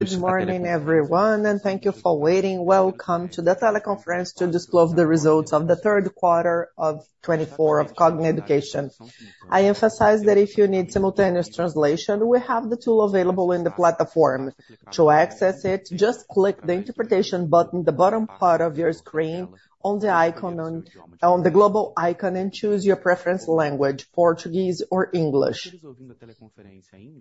Good morning everyone and thank you for waiting. Welcome to the teleconference to disclose the results of the third quarter of 2024 of Cogna Education. I emphasize that if you need simultaneous. Translation, we have the tool available in the platform. To access it, just click the interpretation button, the bottom part of your screen. On the icon on the global icon. Choose your preferred language, Portuguese or English.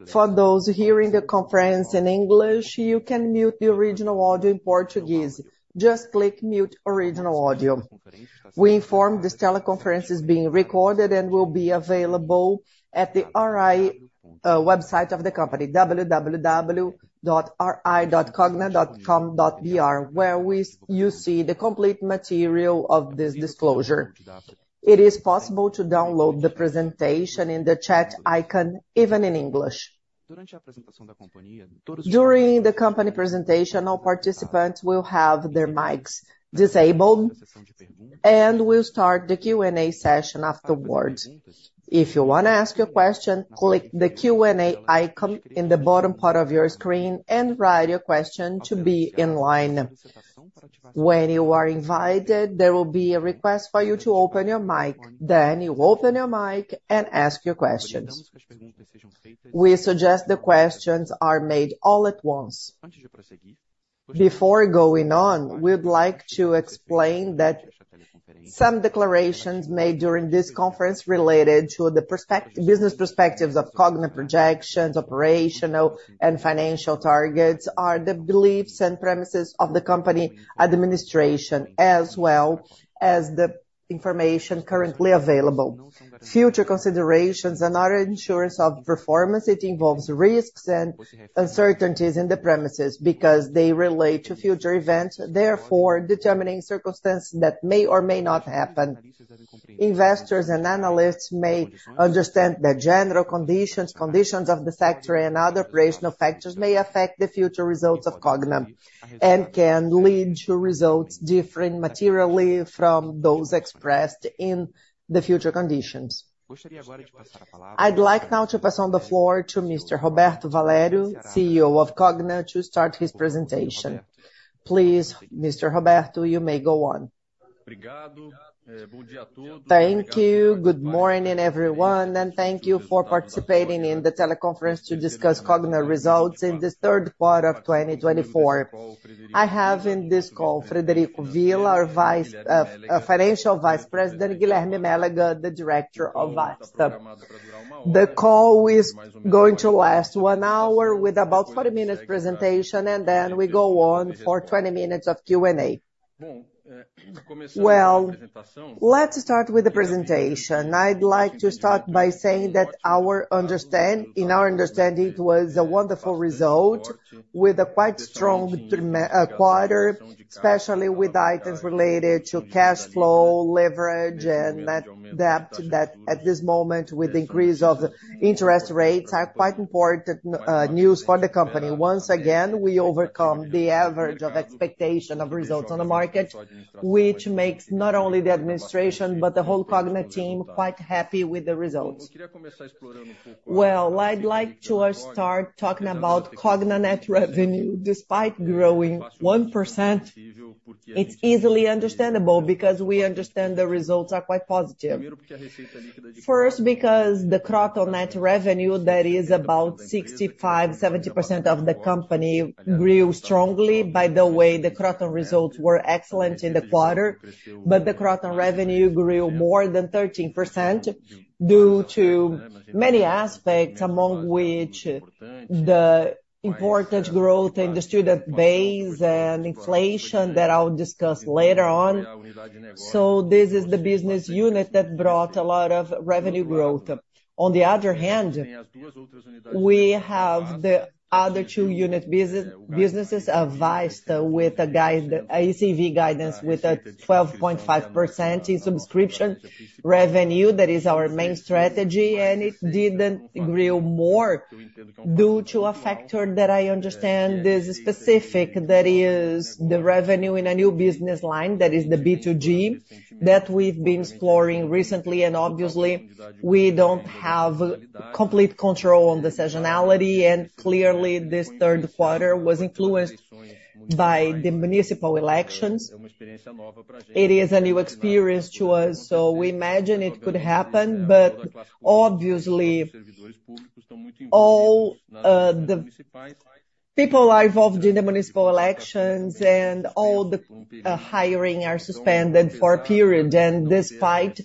For those hearing the conference in English, you can mute the original audio Portuguese. Just click mute original audio. We inform this teleconference is being recorded and will be available at the RI website of the company www.ri.cogna.com where we. You see the complete material of this disclosure. It is possible to download the presentation in the chat icon, even in English. During the company presentation, all participants will have their mics disabled and will start the Q&A session afterwards. If you want to ask your question, click the Q&A icon in the bottom part of your screen and write your question to be in line. When you are invited, there will be a request for you to open your mic. Then you open your mic and ask your questions. We suggest the questions are made before going on. We'd like to explain that some declarations made during this conference related to the business perspectives of Cogna projections, operational and financial targets are the beliefs and premises of the company administration as well as the information currently available, future considerations and other indicators of performance. It involves risks and uncertainties in the premises because they relate to future events, therefore determining circumstances that may or may not happen. Investors and analysts may understand that general conditions, economic conditions and other operational factors may affect the future results of Cogna and can lead to results differing materially from those expressed in the future conditions. I'd like now to pass on the floor to Mr. Roberto Valério, CEO of Cogna, to start his presentation, please. Mr. Roberto, you may go on. Thank you. Good morning everyone and thank you for participating in the teleconference to discuss Cogna results in this third part of 2024. I have in this call Frederico Villa, our Financial Vice President, Guilherme Mélega, the Director of Vasta. The call is going to last one hour with about 40 minutes presentation and then we go on for 20 minutes of Q&A. Let's start with the presentation. I'd like to start by saying that in our understanding it was a wonderful result with a quite strong quarter, especially with items related to cash flow leverage and that at this moment with increase of interest rates are quite important news for the company. Once again we overcome the average of expectation of results on the market, which. Makes not only the administration, but the. Whole Cogna team quite happy with the results. I'd like to start talking about Cogna net revenue despite growing 1%. It's easily understandable because we understand the results are quite positive. First, because the Kroton net revenue, that is about 65%-70% of the company, grew strongly. By the way, the Kroton results were excellent in the quarter, but the Kroton revenue grew more than 13% due to many aspects, among which the important growth in the student base and inflation that I'll discuss later on. So this is the business unit that brought a lot of revenue growth. On the other hand, we have the other two unit business businesses advised with a guide ACV guidance with a 12.5% in subscription revenue. That is our main strategy, and it didn't grow more due to a factor that I understand is specific, that is the revenue in a new business line. That is the B2G that we've been exploring recently, and obviously we don't have complete control on the seasonality. And clearly this third quarter was influenced by the municipal elections. It is a new experience to us, so we imagine it could happen, but obviously all the people are involved in the municipal elections and all the hiring are suspended for period, and despite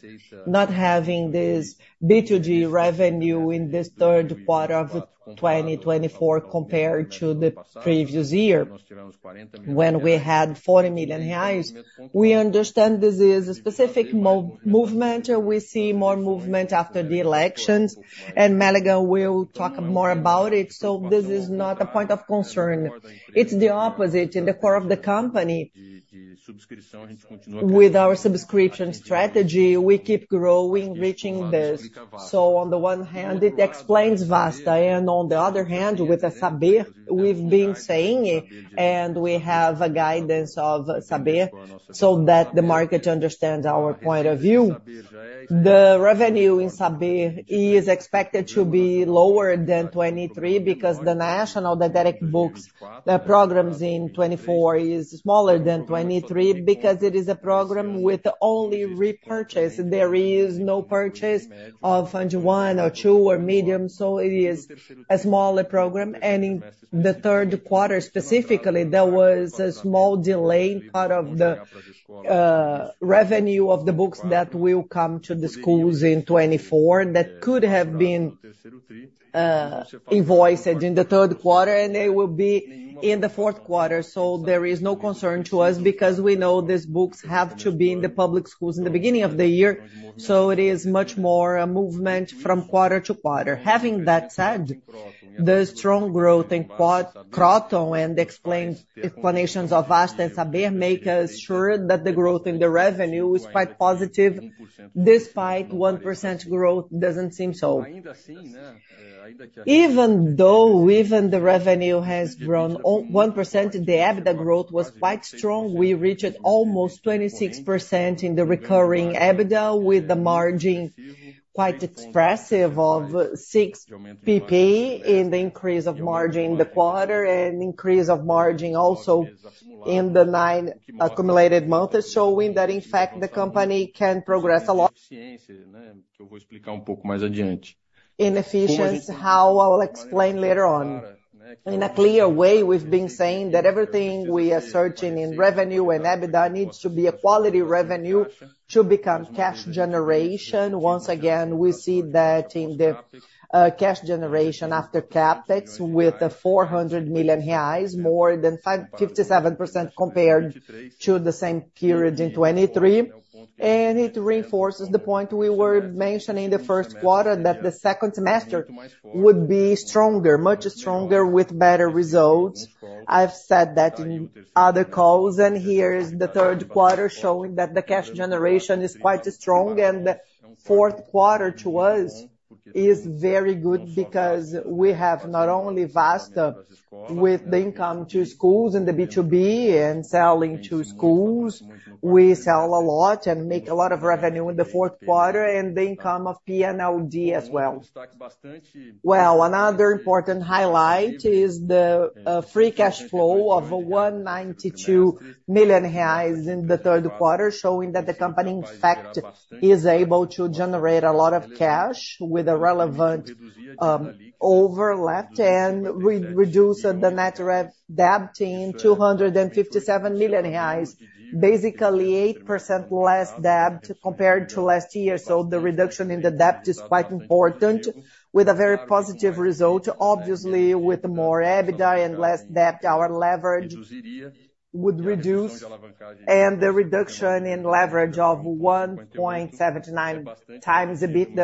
not having this B2G revenue in this third quarter of 2024, compared to the previous year when we had 40 million reais, we understand this is a specific movement. We see more movement after the elections. Mélega will talk more about it. So this is not a point of concern. It's the opposite. In the core of the company. With our subscription strategy, we keep growing, reaching this. So on the one hand it explains Vasta, and on the other hand, with the Saber we've been saying, and we have a guidance of Saber so that the market understands our point of view. The revenue in Saber is expected to be lower than 2023 because the national, the direct books programs in 2024 is smaller than 2023, because it is a program with only repurchase. There is no purchase of one or two or medium. So it is a smaller program. And in the third quarter specifically there was a small delay in part of. The revenue of the books that will come to the schools in 2024 that could have been invoiced in the third quarter and they will be in the fourth quarter. So there is no concern to us, because we know these books have to be in the public schools in the beginning of the year. So it is much more a movement from quarter to quarter. Having that said, the strong growth in Kroton and explanations of Vasta and Saber make us sure that the growth in the revenue is quite positive. Despite 1% growth doesn't seem so. Even though the revenue has grown 1%, the EBITDA growth was quite strong. We reached almost 26% in the recurring EBITDA with the margin quite expressive of 6 pp in the increase of margin in the quarter and increase of margin also. In the nine accumulated months showing that in fact the company can progress a lot. Inefficiency. How I will explain later on in a clear way. We've been saying that everything we are searching in revenue and EBITDA needs to be a quality revenue to become cash generation. Once again we see that in the cash generation after CapEx with 400 million reais more than 57% compared to the same period in 2023. And it reinforces the point we were mentioning the first quarter that the second semester would be stronger, much stronger with better results. I've said that in other calls and here is the third quarter showing that. The cash generation is quite strong and. Fourth quarter to us is very good. Because we have not only Vasta with the income to schools in the B2B and selling to schools, we sell a lot and make a lot of revenue in the fourth quarter, and the income of PNLD as well. Another important highlight is the free cash flow of 192 million reais in the third quarter, showing that the company in fact is able to generate a lot of cash with a relevant overlap and reduce the net debt in 257 million reais. Basically 8% less debt compared to last year. The reduction in the debt is quite important with a very positive result. Obviously with more EBITDA and less debt our leverage would reduce and the reduction in leverage of 1.79x a bit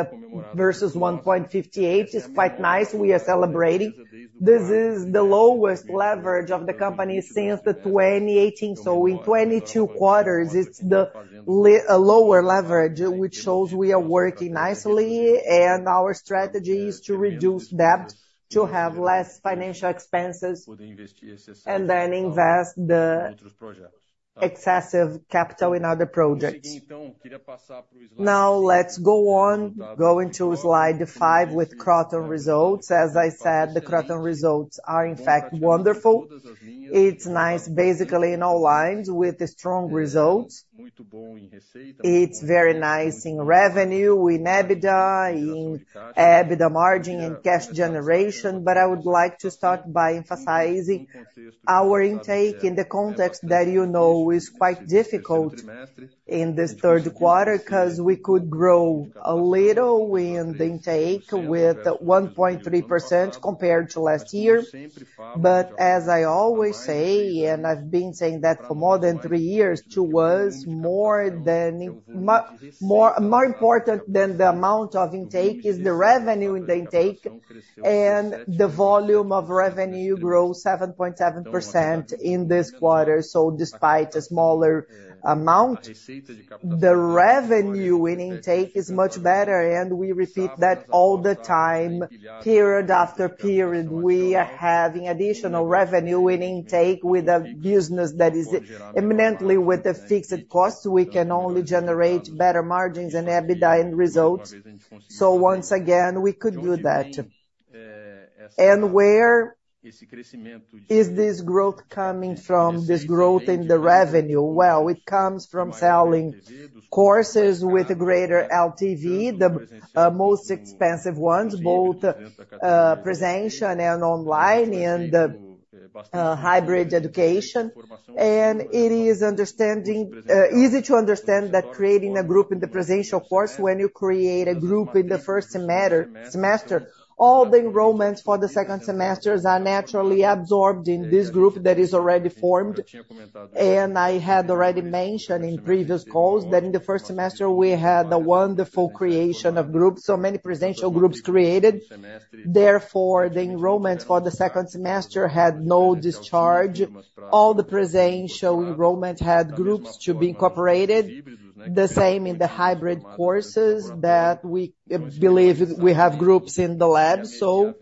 versus 1.58x is quite nice. We are celebrating this is the lowest leverage of the company since 2018. In 2022 quarters it's the lower leverage which shows we are working nicely. Our strategy is to reduce debt to have less financial expenses and then invest the excessive capital in other projects. Now let's go on going to slide 5 with Kroton results. As I said, the Kroton results are in fact wonderful. It's nice basically in all lines with strong results. It's very nice in revenue, in EBITDA, in EBITDA margin and cash generation. But I would like to start by emphasizing our intake in the context that you know is quite difficult in this third quarter because we could grow a little in the intake with 1.3% compared to last year. But as I always say, and I've been saying that for more than three years, what's more important than the amount of intake is the revenue in the intake. And the volume of revenue grows 7.7% in this quarter. So despite a smaller amount, the revenue in intake is much better. And we repeat that all the time, period after period. We are having additional revenue and intake. With a business that is inherently with the fixed costs, we can only generate better margins and EBITDA and results. So once again we could do that. And where is this growth coming from? This growth in the revenue? Well, it comes from selling courses with a greater LTV, the most expensive ones, both presential and online and hybrid education. And it's easy to understand that creating a group in the pre-vestibular course. When you create a group in the first semester, all the enrollments for the second semesters are naturally absorbed in this group that is already formed. I had already mentioned in previous calls that in the first semester we had the wonderful creation of groups. So many presential groups created. Therefore, the enrollment for the second semester had no decrease. All the presential enrollment had groups to be incorporated the same in the hybrid courses that we believe we have groups already, so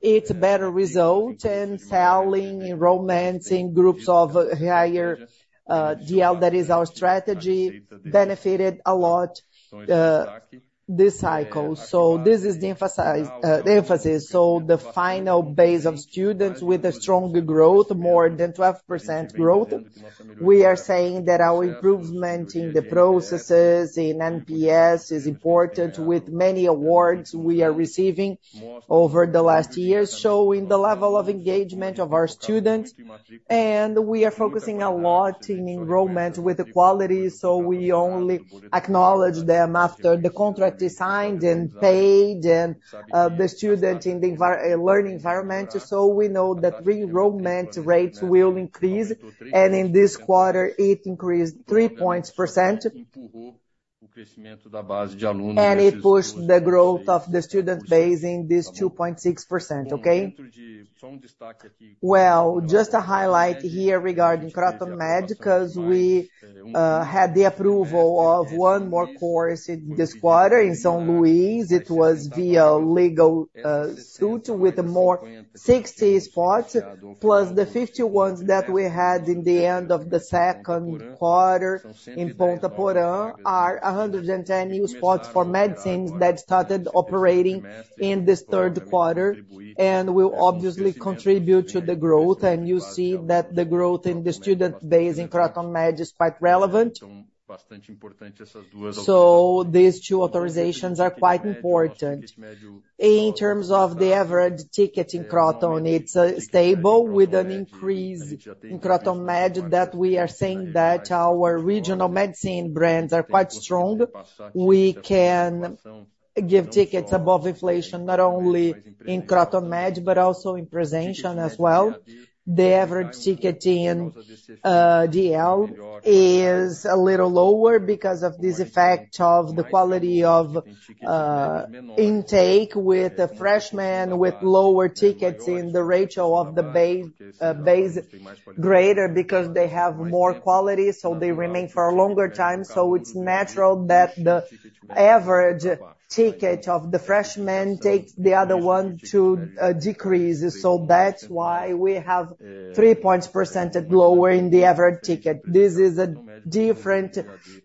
it's a better result. Selling enrollments in groups of higher DL, that is our strategy benefited a lot this cycle. This is the emphasis. The final base of students with a strong growth, more than 12% growth. We are saying that our improvement in the processes in NPS is important. With many awards we are receiving over the last years showing the level of engagement of our students. We are focusing a lot in enrollment with quality. So we only acknowledge them after the contract is signed and paid and the student in the learning environment. So we know that reenrollment rates will increase. And in this quarter it increased 3 percentage points and it pushed the growth of the student base in this 2.6%. Okay, well, just a highlight here regarding Kroton Med. Because we had the approval of one more course in this quarter in São Luís, it was via lawsuit with 60 more spots plus the 50 ones that we had in the end of the second quarter in Ponta Porã are 110 new spots for medicine that started operating in this third quarter and will obviously contribute to the growth. And you see that the growth in the student base in Kroton Med is quite relevant. So these two authorizations are quite important in terms of the average ticket in Kroton. It's stable. With an increase in Kroton Med that we are saying that our regional medicine brands are quite strong. We can give tickets above inflation not only in Kroton Med but also in presential as well. The average ticket in DL is a little lower because of this effect of the quality of intake with the freshman with lower tickets in the ratio of the base greater because they have more quality. So they remain for a longer time. So it's natural that the average ticket of the freshman takes the other one to decrease. So that's why we have three percentage points lower in the average ticket. This is a different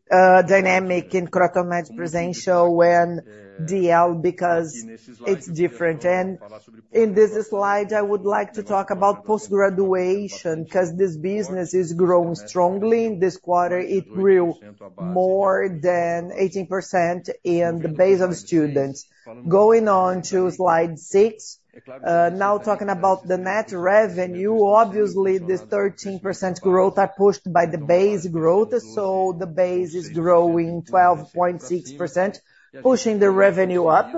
dynamic in Kroton Med presential and DL because it's different. In this slide I would like to talk about post graduation because this business is growing strongly this quarter. It grew more than 18% in the base of students going on to slide 6. Now talking about the net revenue, obviously this 13% growth are pushed by the base growth. The base is growing 12.6% pushing the revenue up.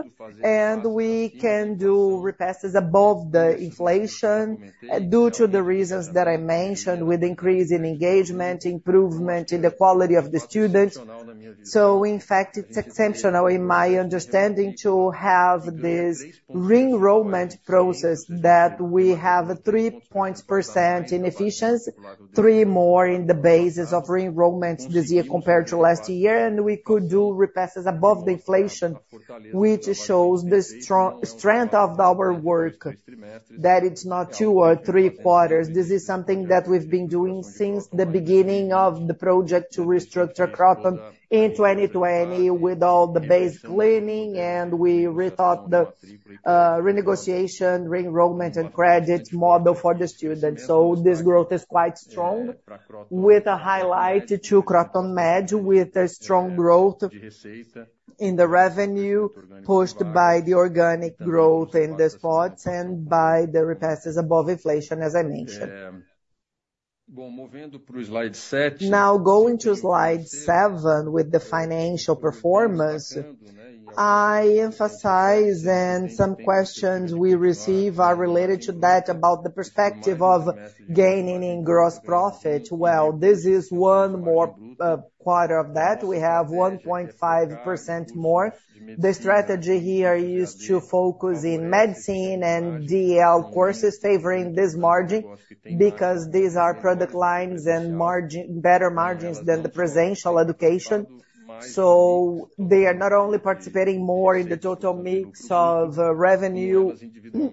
We can do repasses above the inflation due to the reasons that I mentioned with increase in engagement, improvement in the quality of the students. In fact it's an exceptional in my understanding to have this re enrollment process that we have 3 point percent in efficiency, 3 more in the basis of re enrollment this year compared to last year. We could do repasses above the inflation which shows the strong strength of our work that it's not two or three quarters. This is something that we've been doing since the beginning of the project to restructure Kroton in 2020 with all the base cleaning. We rethought the renegotiation, re-enrollment and credit model for the students. This growth is quite strong with a highlight to Kroton Med with a strong growth in the revenue pushed by the organic growth in the spots and by the reajuste is above inflation. As I mentioned. Now going to slide 7 with the financial performance. I emphasize and some questions we receive are related to that about the perspective of gaining in gross profit. This is one more quarter of that. We have 1.5% more. The strategy here used to focus in medicine and DL courses favoring this margin because these are product lines and margin better margins than the presential education. So they are not only participating more in the total mix of revenue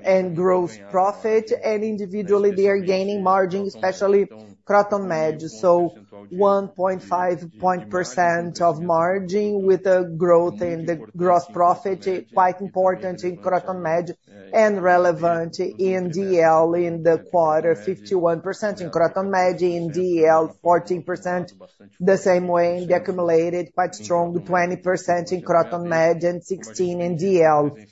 and gross profit and individually they are gaining margin, especially Kroton Med. So 1.5 points of margin with a growth in the gross profit quite important in Kroton Med and relevant in DL in the quarter, 51% in Kroton Med in DL, 14% the same way in the accumulated quite strong 20% in Kroton Med and 16% in DL.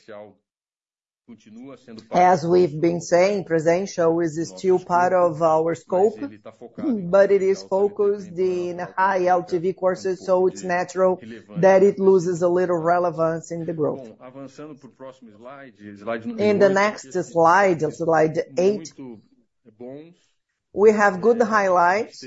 As we've been saying, presential is still part of our scope, but it is focused in high LTV courses. So it's natural that it loses a little relevance in the growth. In the next slide, slide 8. We have good highlights.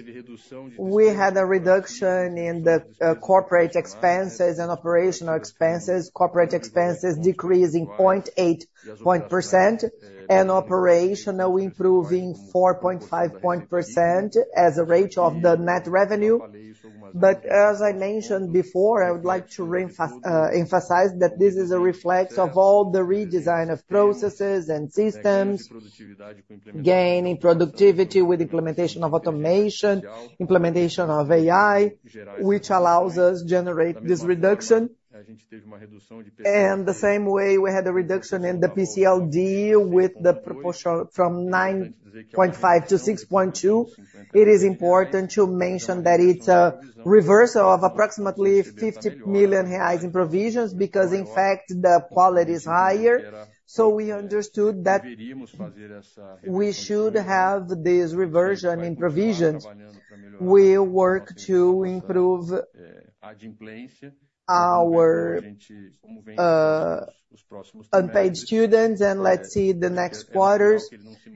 We had a reduction in the corporate expenses and operational expenses. Corporate expenses decreasing 0.8 percentage point and operational improving 4.5 percentage points as a ratio of the net revenue. But as I mentioned before, I would like to emphasize that this is a reflection of all the redesign of processes and systems gain in productivity with implementation of automation, implementation of AI which allows us generate this reduction. And the same way we had the reduction in the PCLD with the proportion from 9.5% to 6.2%. It is important to mention that it's reversal of approximately 50 million reais in provisions because in fact the quality is higher. So we understood that we should have this reversion in provisions. We work to improve our unpaid students. And let's see the next quarters.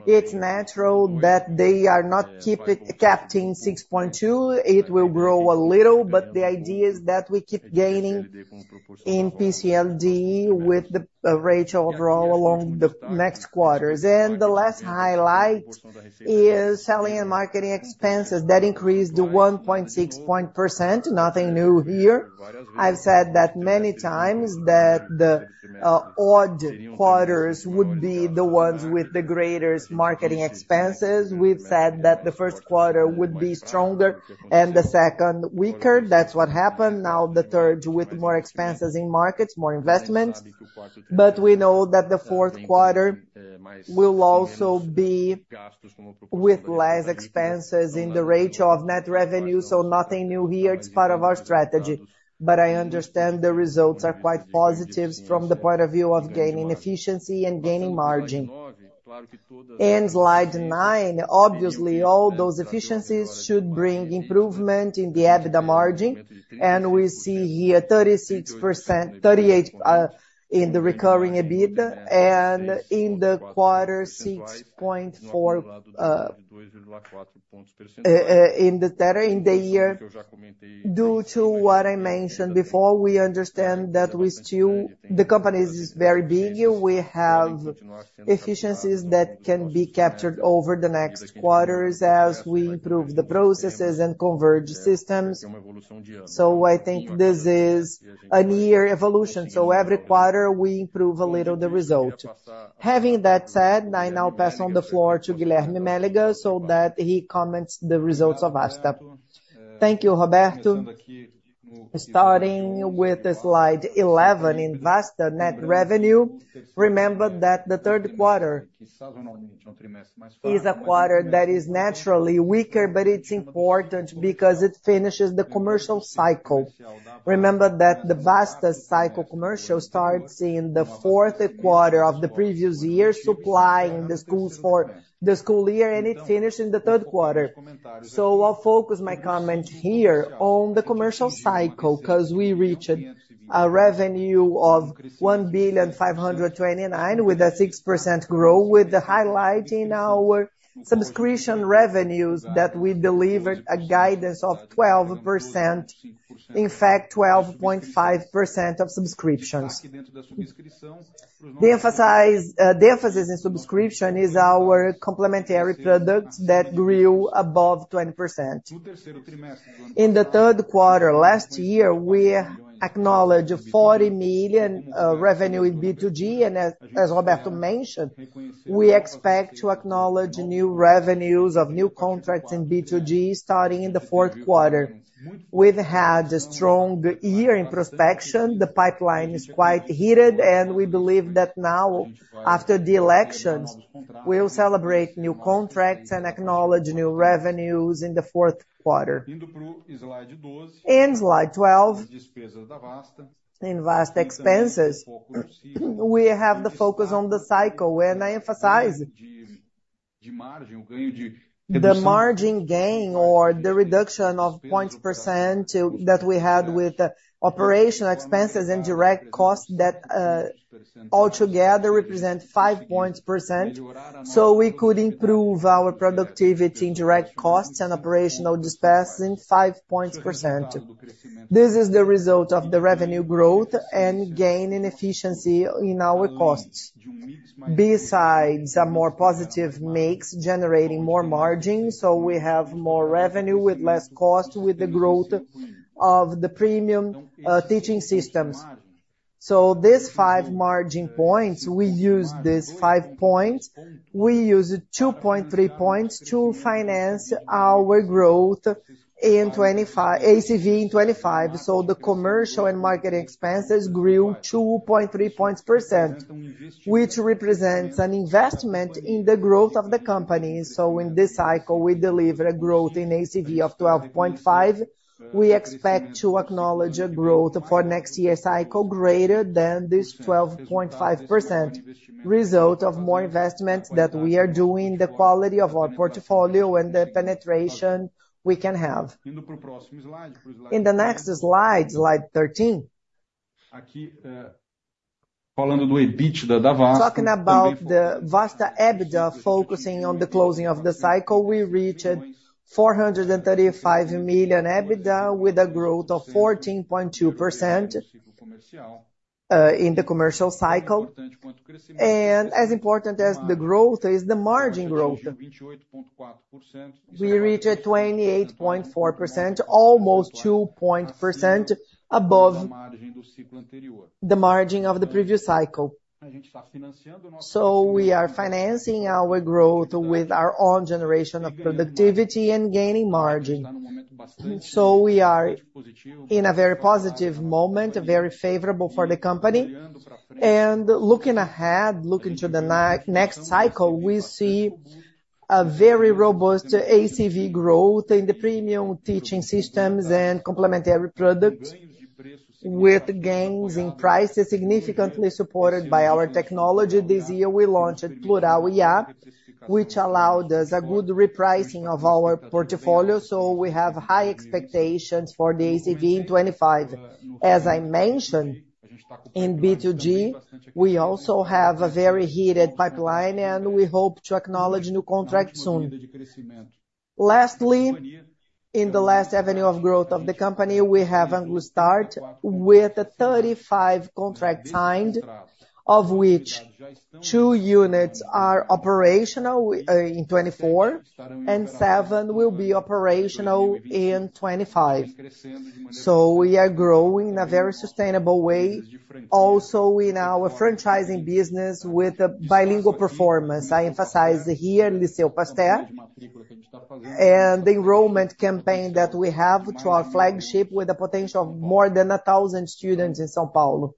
It's natural that they are not keep at 6.2%. It will grow a little. But the idea is that we keep gaining in PCLD with the gradual draw along the next quarters, and the last highlight is selling and marketing expenses that increased 1.6%. Nothing new here. I've said that many times that the odd quarters would be the ones with the greatest marketing expenses. We've said that the first quarter would be stronger and the second weaker. That's what happened. Now the third with more expenses in marketing, more investments. But we know that the fourth quarter will also be with less expenses in the ratio of net revenue. So nothing new here. It's part of our strategy. But I understand the results are quite positive from the point of view of gaining efficiency and gaining margin in slide 9. Obviously all those efficiencies should bring improvement in the EBITDA margin. We see here 36%-38% in the recurring EBITDA and in the quarter 6.4% in the data in the year. Due to what I mentioned before, we understand that we still the company is very big. We have efficiencies that can be captured over the next quarters as we improve the processes and converge systems. So I think this is a near evolution. So every quarter we improve a little the result. Having that said, I now pass on the floor to Guilherme Mélega so that he comments the results of Vasta. Thank you, Roberto. Starting with slide 11 in Vasta net revenue, remember that the third quarter is a quarter that is naturally weaker. But it's important because it finishes the commercial cycle. Remember that the Vasta commercial cycle starts in the fourth quarter of the previous year supplying the schools for the school year and it finished in the third quarter. So I'll focus my comment here on. The commercial cycle because we reached a revenue of 1,529 billion with a 6% growth with the highlight in our subscription revenues that we delivered a guidance of 12%. In fact, 12.5% of subscriptions. The emphasis on subscriptions is our complementary products that grew above 20%. In the third quarter last year we acknowledged 40 million revenue in B2G and as Roberto mentioned, we expect to acknowledge new revenues of new contracts in B2G starting in the fourth quarter. We've had a strong year in prospection, the pipeline is quite heated and we believe that now after the elections we will celebrate new contracts and acknowledge new revenues in the fourth quarter in slide 12 invest expenses. We have the focus on the cycle and I emphasize the margin gain or the reduction of percentage points that we had with operational expenses and direct costs that altogether represent 5 point percent so we could improve our productivity, indirect costs and operational expenses in 5 point percent. This is the result of the revenue growth and gain in efficiency in our costs, besides a more positive mix generating more margin, so we have more revenue with less cost with the growth of the premium teaching systems. These 5 margin points we use these 5 points. We use 2.3 points to finance our growth in 2025 ACV in 2025. So the commercial and market expenses grew 2.3 points percent, which represents an investment in the growth of the company. So in this cycle we deliver a growth in ACV of 12.5%. We expect to acknowledge a growth for next year cycle greater than this 12.5%, result of more investments that we are doing, the quality of our portfolio, and the penetration we can have in the next slide, slide 13. Talking about the Vasta EBITDA focusing on the closing of the cycle, we reached 435 million EBITDA with a growth of 14.2% in the commercial cycle. And as important as the growth is the margin growth. We reach 28.4%, almost 2.0% above the margin of the previous cycle. So we are financing our growth with our own generation of productivity and gaining margin. So we are in a very positive moment, very favorable for the company and looking ahead, looking to the next cycle, we see a very robust ACV growth in the premium teaching systems and complementary products with gains in prices significantly supported by our technology. This year we launched Plurall, which allowed us a good repricing of our portfolio. So we have high expectations for the ACV in 2025. As I mentioned in B2G, we also have a very heated pipeline and we hope to acknowledge new contracts soon. Lastly, in the last avenue of growth of the company, we have Anglo Start with 35 contracts signed, of which two units are operational in 2024 and seven will be operational in 2025. So we are growing in a very sustainable way. Also in our franchising business with bilingual performance. I emphasize here Liceu Pasteur and the enrollment campaign that we have to our flagship with the potential of more than a thousand students in São Paulo.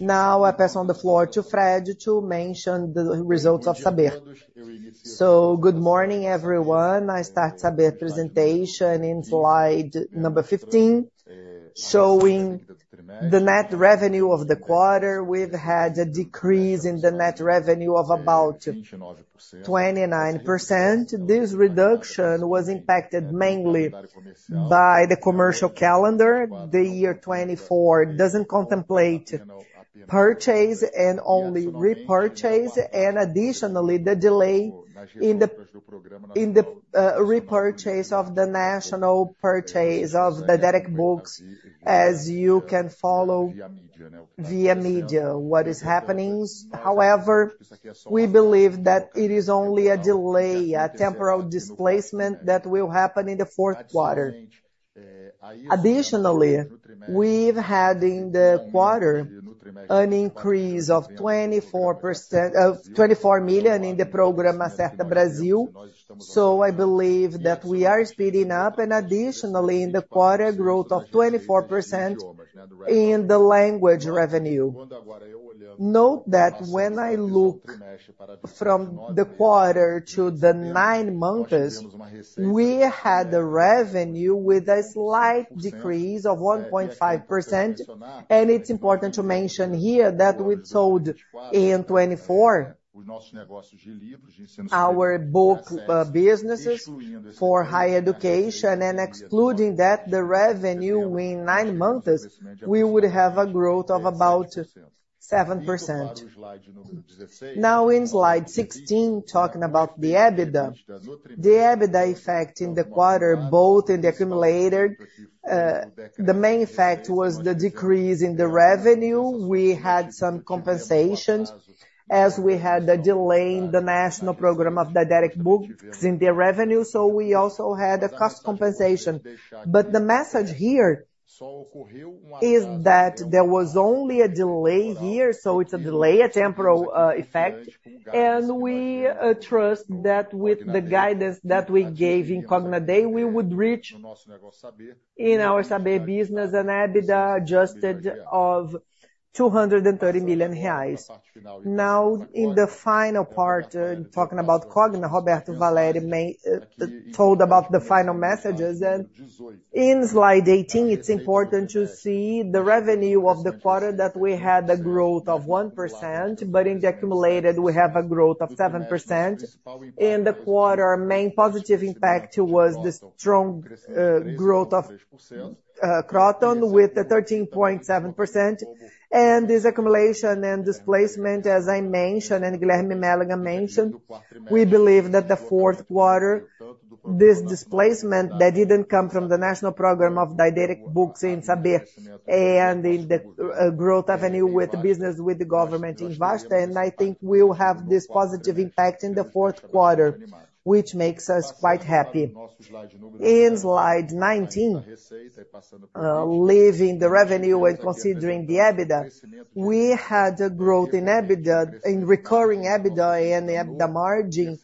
Now I pass on the floor to Fred to mention the results of Saber. So good morning everyone. I start Saber presentation in slide number 15 showing the net revenue of the quarter. We've had a decrease in the net revenue of about 29%. This reduction was impacted mainly by the commercial calendar. The year 2024 doesn't contemplate purchase and only repurchase and additionally the delay in the repurchase of the national purchase of the direct books. As you can follow via media what is happening. However, we believe that it is only a delay, a temporal displacement that will happen in the fourth quarter. Additionally we've had in the quarter an increase of 24 million in the program Acerta Brasil. So I believe that we are speeding up and additionally in the quarter growth of 24% in the language revenue. Note that when I look from the quarter to the nine months we had the revenue with a slight decrease of 1.5%. It's important to mention here that we sold in 2024 our book businesses for higher education and excluding that the revenue in nine months we would have a growth of about 7%. Now, in slide 16, talking about the EBITDA, the EBITDA effect in the quarter, both in the accumulator, the main effect was the decrease in the revenue. We had some compensations as we had the delay in the national Program of Didactic Books in the revenue. So we also had a cost compensation. But the message here is that there was only a delay here. So it's a delay, a temporal effect. We trust that with the guidance. That we gave in Cogna Day we would. Reach in our Saber business an EBITDA. Adjusted of 230 million reais. Now in the final part, talking about Cogna, Valério told about the final messages. In slide 18 it's important to see the revenue of the quarter that we had the growth of 1%. In the accumulated we have a growth of 7% in the quarter. Main positive impact was the strong growth of Kroton with the 13.7% and this accumulation and displacement, as I mentioned and Guilherme Mélega mentioned. We believe that the fourth quarter, this displacement that didn't come from the National Program of Didactic Books in Saber and in the growth and business with the government in Vasta. I think we'll have this positive impact in the fourth quarter, which makes us quite happy. In slide 19, looking at the revenue and considering the EBITDA. We had a growth in EBITDA in recurring EBITDA and EBITDA margin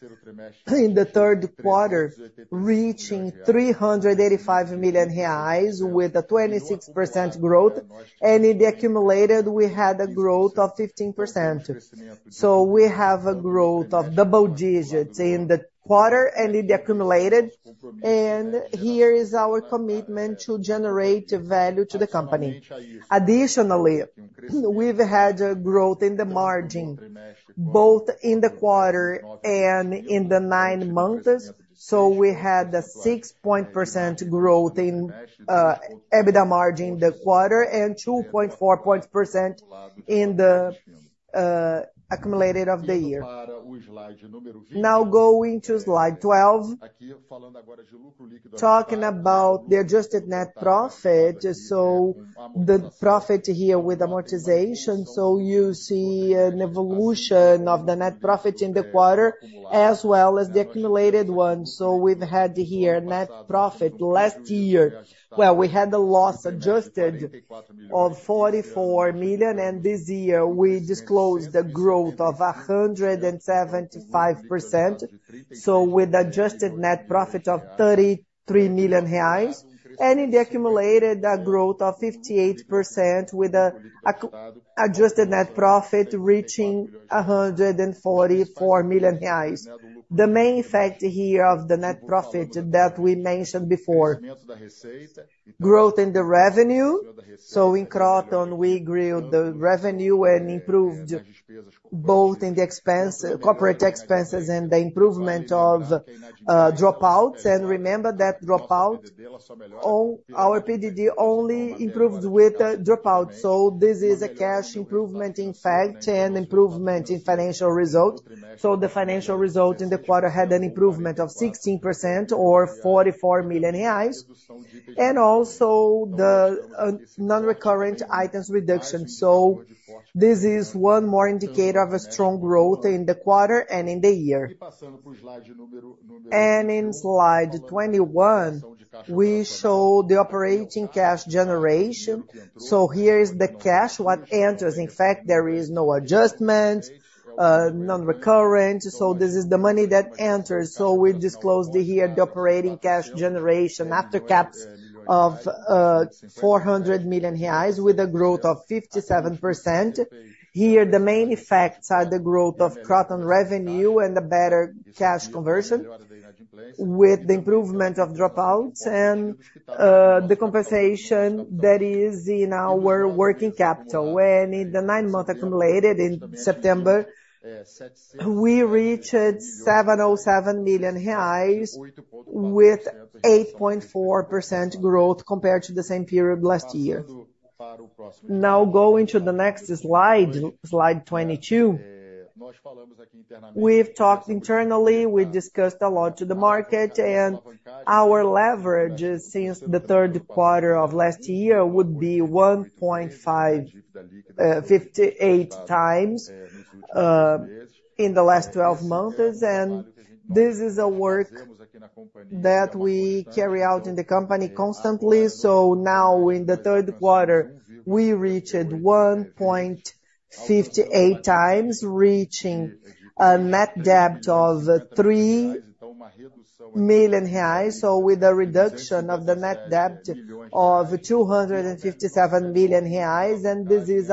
in the third quarter reaching 385 million reais with 26% growth. In the accumulated we had a growth of 15%. We have a growth of double digits in the quarter and in the accumulated. Here is our commitment to generate value to the company. Additionally we've had growth in the margin both in the quarter and in the nine months. We had 6 point percent growth in EBITDA margin in the quarter and 2.4 point percent in the accumulated of the year. Now going to slide 12, talking about the adjusted net profit. The profit here with amortization. You see an evolution of the net profits in the quarter as well as the accumulated one. We've had here net profit. Last year well we had the adjusted loss of 44 million. This year we disclosed the growth of 175%. With adjusted net profit of 33 million reais and it accumulated a growth of 58% with an adjusted net profit reaching 144 million reais. The main effect here of the net profit that we mentioned before, growth in the revenue. In Kroton we grew the revenue and improved both in the expense, corporate expenses and the improvement of dropouts. Remember that dropout all our PCLD only improved with dropout. This is a cash improvement in fact and improvement in financial result. The financial result in the quarter had an improvement of 16% or 44 million reais and also the nonrecurrent items reduction. This is one more indicator of a strong growth in the quarter and in the year. In slide 21 we show the operating cash generation. So here is the cash that enters. In fact there is no adjustment non-recurring. So this is the money that enters. So we disclosed here the operating cash generation after CapEx of 400 million reais with a growth of 57%. Here the main effects are the growth of Kroton revenue and the better cash conversion with the improvement of dropouts and the compensation that is in our working capital. When in the nine-month accumulated in September we reached 707 million reais with 8.4% growth compared to the same period last year. Now go into the next slide, slide 22. We've talked internally; we discussed a lot to the market and our leverage since the third quarter of last year would be 1.58x in the last 12 months, and this is a work that we carry out in the company constantly. So now in the third quarter we reached 1.58x, reaching a net debt of 3 million reais. So with a reduction of the net debt of 257 million reais. And this is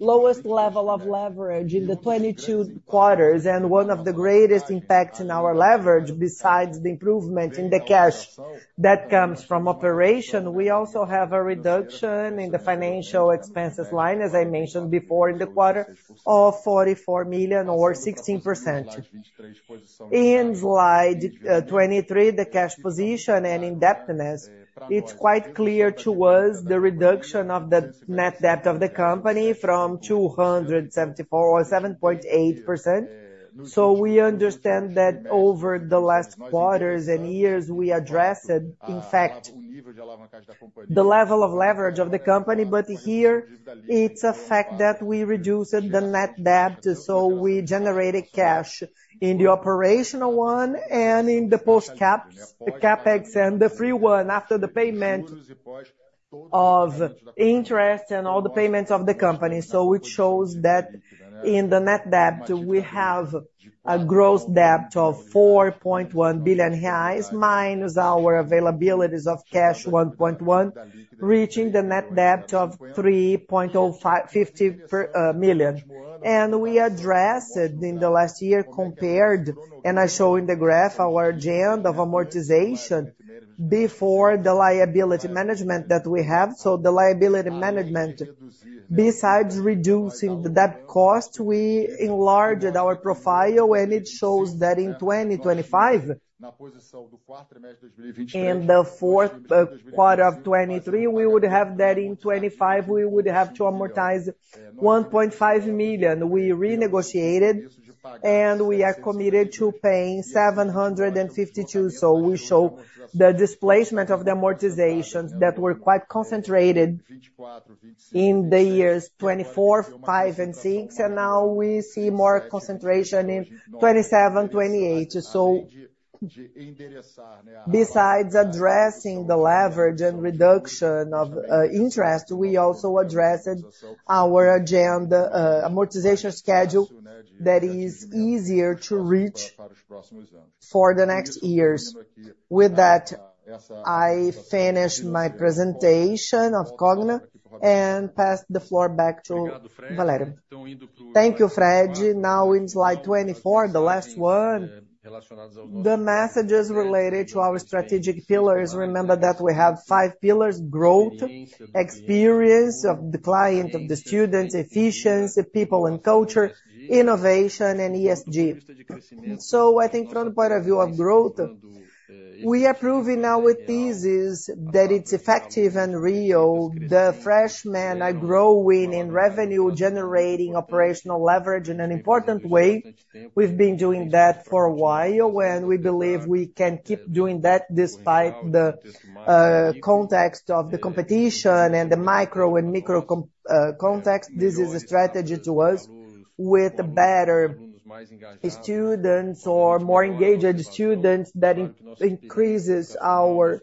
our lowest level of leverage in the 22 quarters. One of the greatest impacts in our leverage, besides the improvement in the cash that comes from operation. We also have a reduction in the financial expenses line, as I mentioned before, in the quarter of 44 million or 16%. In slide 23, the cash position and indebtedness, it's quite clear to us the reduction of the net debt of the company from 274 or 7.8%. We understand that over the last quarters and years we addressed in fact the level of leverage of the company. Here it's a fact that we reduced the net debt. We generated cash in the operational one and in the post CapEx and the free one after the payment of interest and all the payments of the company. So it shows that in the net debt we have a gross debt of 4.1 billion reais- our availabilities of cash 1.1 billion, reaching the net debt of 3.0 billion. And we addressed in the last year compared and I show in the graph our debt amortization before the liability management that we have. So the liability management, besides reducing the debt cost, we enlarged our profile and it shows that in 2025, in the fourth quarter of 2023 we would have that in 2025 we would have to amortize 1.5 million. We renegotiated and we are committed to paying 752 million. So we show the displacement of the amortizations that were quite concentrated in the years 2024, 2025 and 2026. And now we see more concentration in 2027-2028. So besides addressing the leverage and reduction of interest. We also addressed our debt amortization schedule that is easier to reach for the next years. With that, I finished my presentation of Cogna and pass the floor back to Valério. Thank you, Fred. Now, in slide 24, the last one, the messages related to our strategic pillars. Remember that we have 5 pillars: growth, experience of the client of the students, efficiency, people and culture, innovation and ESG. So I think from the point of view of growth we are proving now with these is that it's effective and real. The freshmen are growing in revenue generating operational leverage in an important way. We've been doing that for a while when we believe we can keep doing that despite the context of the competition and the macro and micro context. This is a strategy to us with better students or more engaged students that increases our,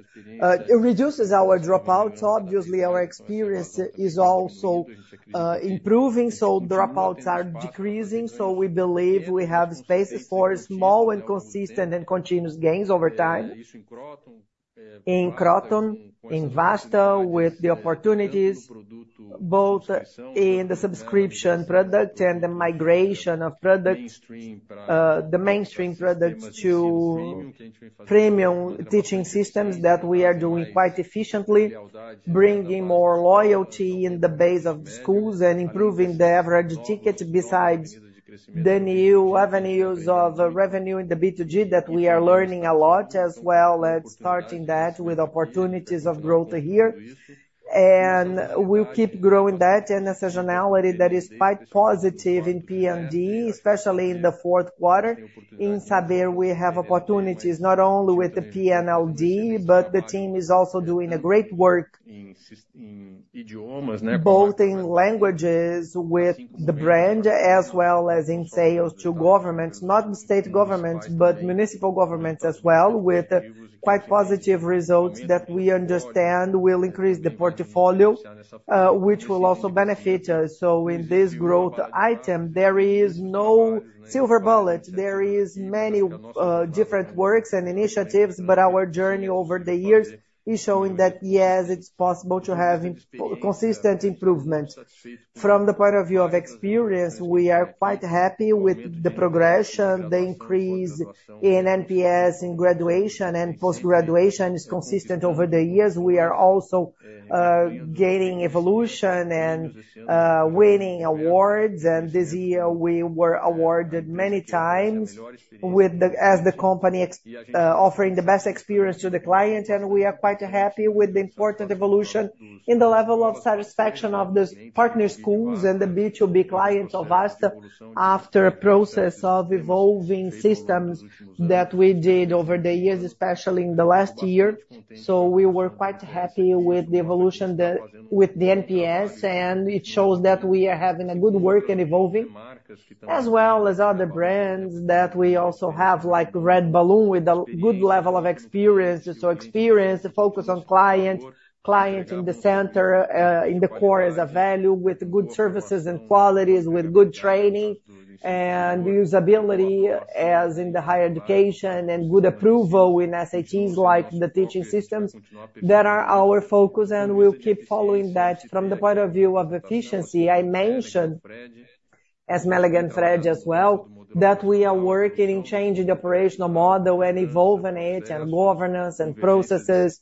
reduces our dropout. Obviously our experience is also improving. So dropouts are decreasing. We believe we have spaces for small and consistent and continuous gains over time. In Kroton, in Vasta, with the opportunities. Both in the subscription product and the migration of products, the mainstream products to premium teaching systems that we are doing quite efficiently, bringing more loyalty in the base of schools and improving the average ticket. Besides the new avenues of revenue in the B2G that we are learning a lot as well as starting that with opportunities of growth here and we'll keep growing that and a seasonality that is quite positive in PNLD, especially in the fourth quarter. In Saber we have opportunities not only with the PNLD, but the team is also doing a great work both in languages with the brand as well as in sales to governments, not state government, but municipal governments as well with quite positive results that we understand will increase the portfolio which will also benefit us. So in this growth item there is no silver bullet. There are many different works and initiatives, but our journey over the years is showing that yes, it's possible to have consistent improvement from the point of view of experience. We are quite happy with the progression. The increase in NPS in graduation and post graduation is consistent over the years. We are also gaining evolution and winning awards, and this year we were awarded many times with the as the company offering the best experience to the client, and we are quite happy with the important evolution in the level of satisfaction of these partner schools and the B2B clients of Vasta after a process of evolving systems that we did over the years, especially in the last year. So we were quite happy with the evolution with the NPS and it shows that we are having a good work and evolving as well as other brands that we also have like Red Balloon with a good level of experience. So experience focus on clients client in the center, in the core as a value with good services and qualities with. Good training and usability as in the. Higher education and good approval in Saber like the teaching systems that are our. Focus and we'll keep following that. From the point of view of efficiency, I mentioned as Mélega, Fred, as well. That we are working in changing the. Operational model and evolving IT and governance and processes.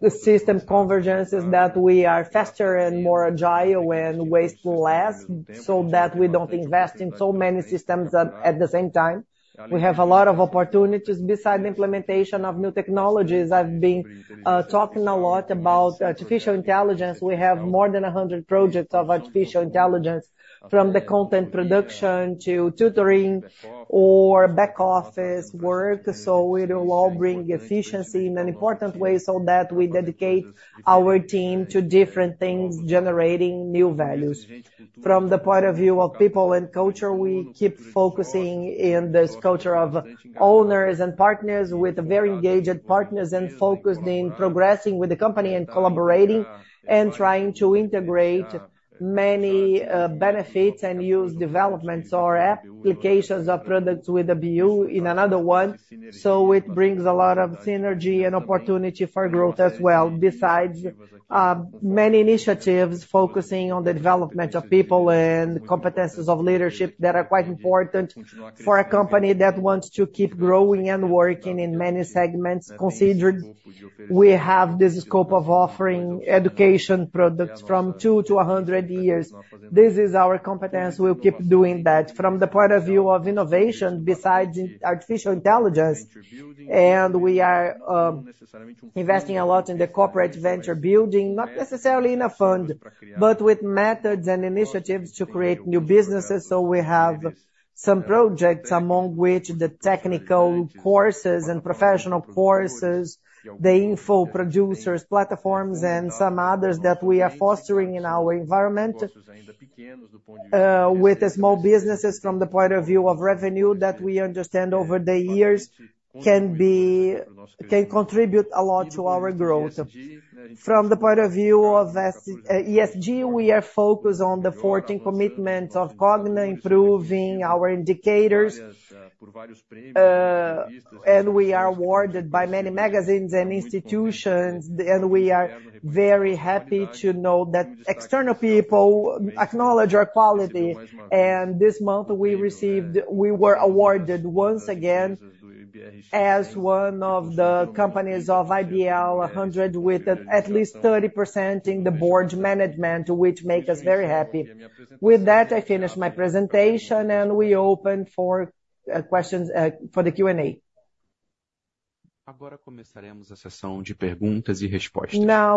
The system convergence is that we are faster and more agile and waste less. So that we don't invest in so many systems. At the same time, we have a. Lots of opportunities besides implementation of new technologies. I've been talking a lot about artificial intelligence. We have more than 100 projects of artificial intelligence from the content production to tutoring or back office work, so it will all bring efficiency in an important way so that we dedicate our team to different things generating new values. From the point of view of people and culture. We keep focusing in this culture of. Owners and partners with very engaged partners. Focused in progressing with the company and collaborating and trying to integrate many benefits and use developments or applications of products with the BU in another one. So it brings a lot of synergy and opportunity for growth as well. Besides many initiatives focusing on the development of people and competencies of leadership that are quite important for a company that wants to keep growing and working in many segments considered, we have this scope of offering education products from two to 100 years. This is our competence. We'll keep doing that from the point of view of innovation besides artificial intelligence. And we are investing a lot in the corporate venture building, not necessarily in a fund, but with methods and initiatives to create new businesses. So we have some projects among which the technical courses and professional courses, the info producers platforms and some others that we are fostering in our environment with small businesses. From the point of view of revenue that we understand over the years can contribute a lot to our growth. From the point of view of ESG, we are focused on the 14 commitment of Cogna improving our indicators and we are awarded by many magazines and institutions and we are very happy to know that external people acknowledge our quality. This month we were awarded once again as one of the companies of IBrX 100 with at least 30% in the board management which make us very happy with that. I finished my presentation and we open for questions for the Q&A. Now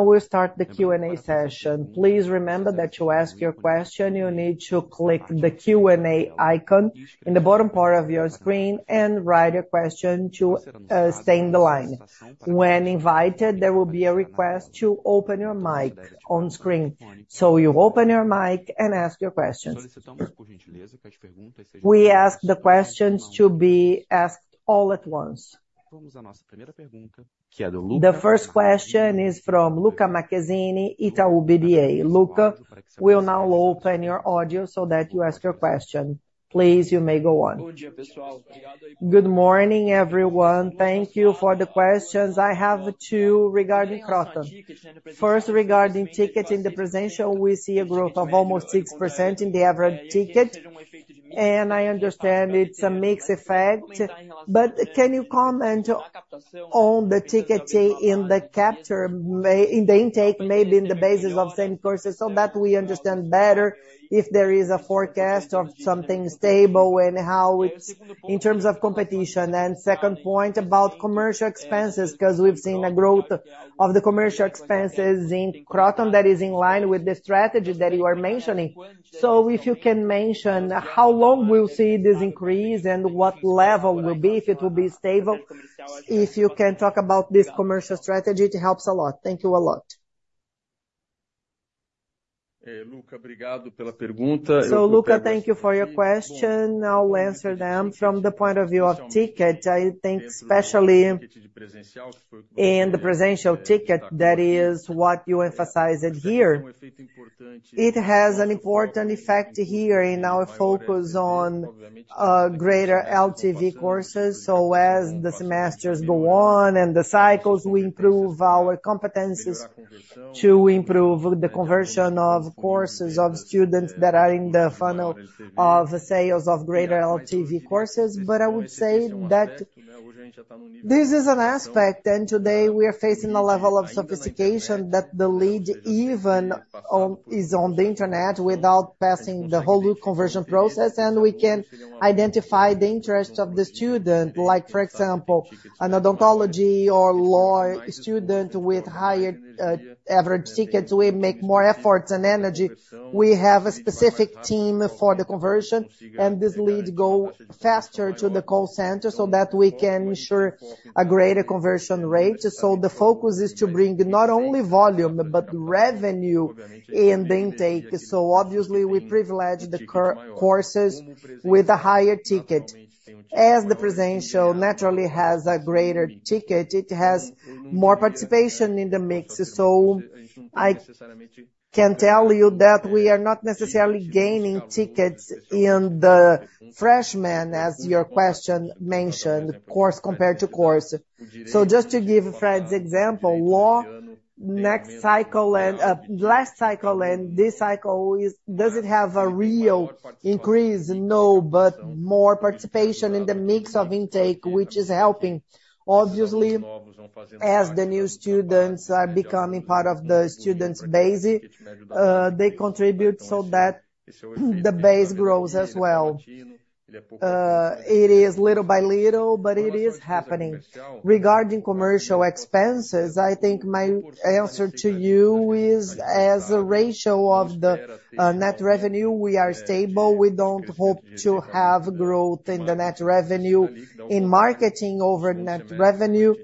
we start the Q&A session. Please remember that you ask your question. You need to click the Q&A. An icon in the bottom part of your screen and write a question to stay in the line. When invited, there will be a request to open your mic on screen. So you open your mic and ask your questions. We ask the questions to be asked all at once. The first question is from Lucca Marquezini, Itaú BBA. Lucca will now open your audio so that you ask your question. Please. You may go on. Good morning everyone. Thank you for the questions. I have two regarding Kroton. First, regarding tickets. In the presential, we see a growth. Of almost 6% in the average ticket. And I understand it's a mixed effect, but can you comment on the ticket in the capture in the intake, maybe in the basis of same courses, so that we understand better if there is a forecast of something stable and how it's in terms of competition. And second point about commercial expenses, because we've seen a growth of the commercial expenses in Kroton that is in line with the strategy that you are mentioning. So if you can mention how long we'll see this increase and what level will be if it will be stable. If you can talk about this commercial strategy, it helps a lot. Thank you a lot. So Lucca, thank you for your question. I'll answer them from the point of view of tickets, I think especially. And. The presidential ticket, that is what you emphasized here. It has an important effect here in our focus on greater LTV courses, so as the semesters go on and the cycles, we improve our competences to improve the conversion of courses of students that are in the funnel of sales of greater LTV courses. But I would say that this is an aspect and today we are facing a level of sophistication that the lead even is on the Internet without passing the whole conversion process, and we can identify the interests of the student, like for example an odontology or law student with higher average tickets, we make more efforts and energy. We have a specific team for the conversion and this lead go faster to the call center so that we can ensure a greater conversion rate. So the focus is to bring not only volume but revenue in the intake. So obviously we privilege the courses with a higher ticket. As the presencial naturally has a greater ticket, it has more participation in the mix. So I can tell you that we are not necessarily gaining tickets in the freshman, as your question mentioned, course compared to course. So just to give Fred's example, law next cycle and last cycle, and this cycle, does it have a real increase? No, but more participation in the mix of intake, which is helping obviously, as the new students are becoming part of the student base. They contribute so that the base grows as well. It is little by little, but it is happening. Regarding commercial expenses, I think my answer to you is as a ratio of the net revenue we are stable. We don't hope to have growth in the net revenue in marketing over net revenue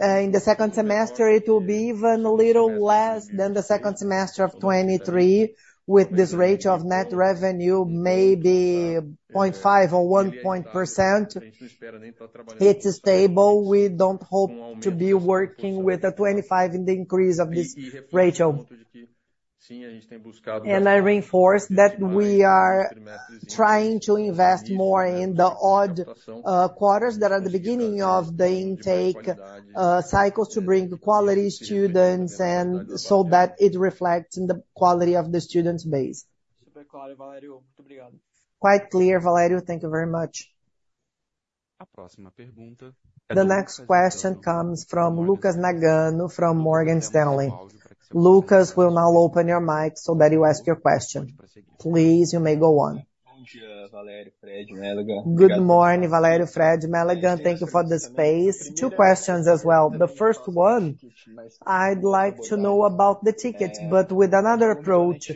in the second semester. It will be even a little less than the second semester of 2023 with this ratio of net revenue, maybe 0.5% or 1% it's stable. We don't hope to be working with a 2025 in the increase of this ratio, and I reinforce that we are trying to invest more in the odd quarters that are the beginning of the intake cycles to bring quality students and so that it reflects in the quality of the student base. Quite clear. Valério, thank you very much. The next question comes from Lucas Nagano from Morgan Stanley. Lucas will now open your mic so that you ask your question please. You may go on. Good morning, Valério. Fred, Mélega, thank you for the space. Two questions as well. The first one, I'd like to know about the tickets but with another approach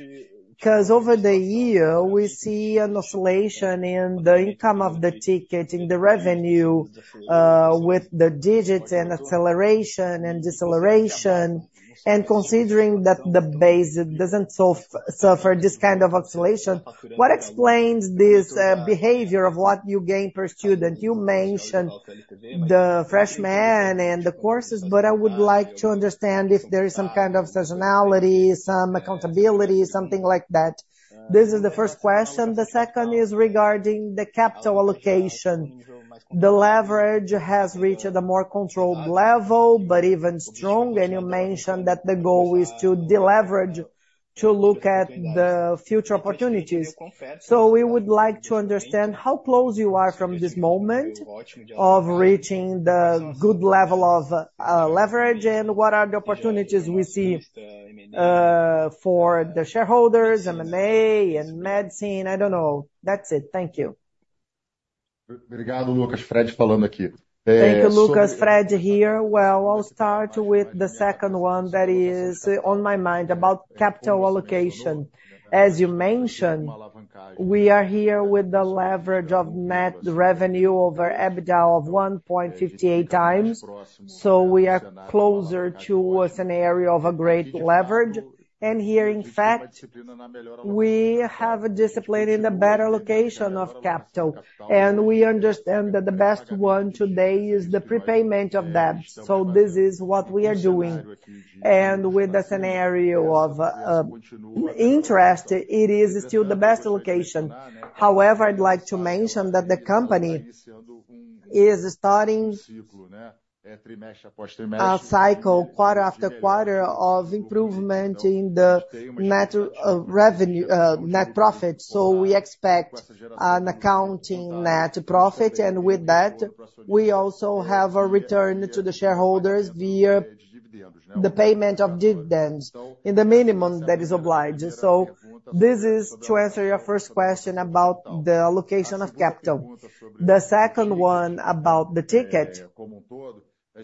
because over the year we see an oscillation in the income of the ticket, in the revenue with the digits and acceleration and deceleration. And considering that the base doesn't suffer this kind of oscillation, what explains this behavior of what you gain per student? You mentioned the freshman and the courses but I would like to understand if there is some kind of seasonality, some accountability, something like that. This is the first question. The second is regarding the capital allocation. The leverage has reached a more controlled level, but even stronger. And you mentioned that the goal, goal is to deleverage to look at the future opportunities. So we would like to understand how close you are from this moment of reaching the good level of leverage and what are the opportunities we see for the shareholders, MMA and medicine. I don't know. That's it. Thank you. Thank you, Lucas. Fred here. Well, I'll start with the second one that is on my mind about capital allocation. As you mentioned, we are here with the leverage of net revenue over EBITDA of 1.58x. So we are closer to a scenario of a great leverage. And here in fact we have a discipline in the better location of capital and we understand that the best one today is the prepayment of debts. So this is what we are doing and with the scenario of interest it is still the best location. However, I'd like to mention that the company is starting a cycle quarter after quarter of improvement in the net profit. So we expect an accounting net profit. And with that we also have a return to the shareholders via the payment of dividends in the minimum that is obliged. So this is to answer your first question about the allocation of capital. The second one about the debt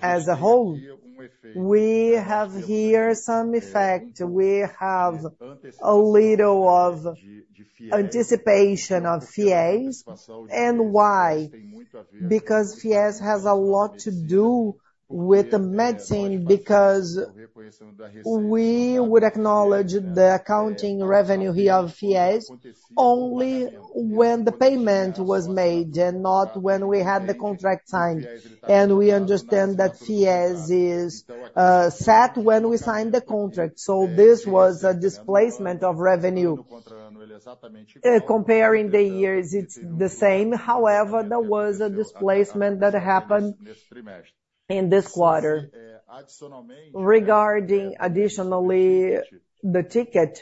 as a whole. We have here some effect. We have a little of anticipation of FIES. And why? Because FIES has a lot to do with the medicine. Because we would acknowledge the accounting revenue here of FIES only when the payment was made and not when we had the contract signed. And we understand that FIES is set when we sign the contract. So this was a displacement of revenue comparing the years. It's the same. However, there was a displacement that happened in this quarter. Regarding, additionally, the ticket,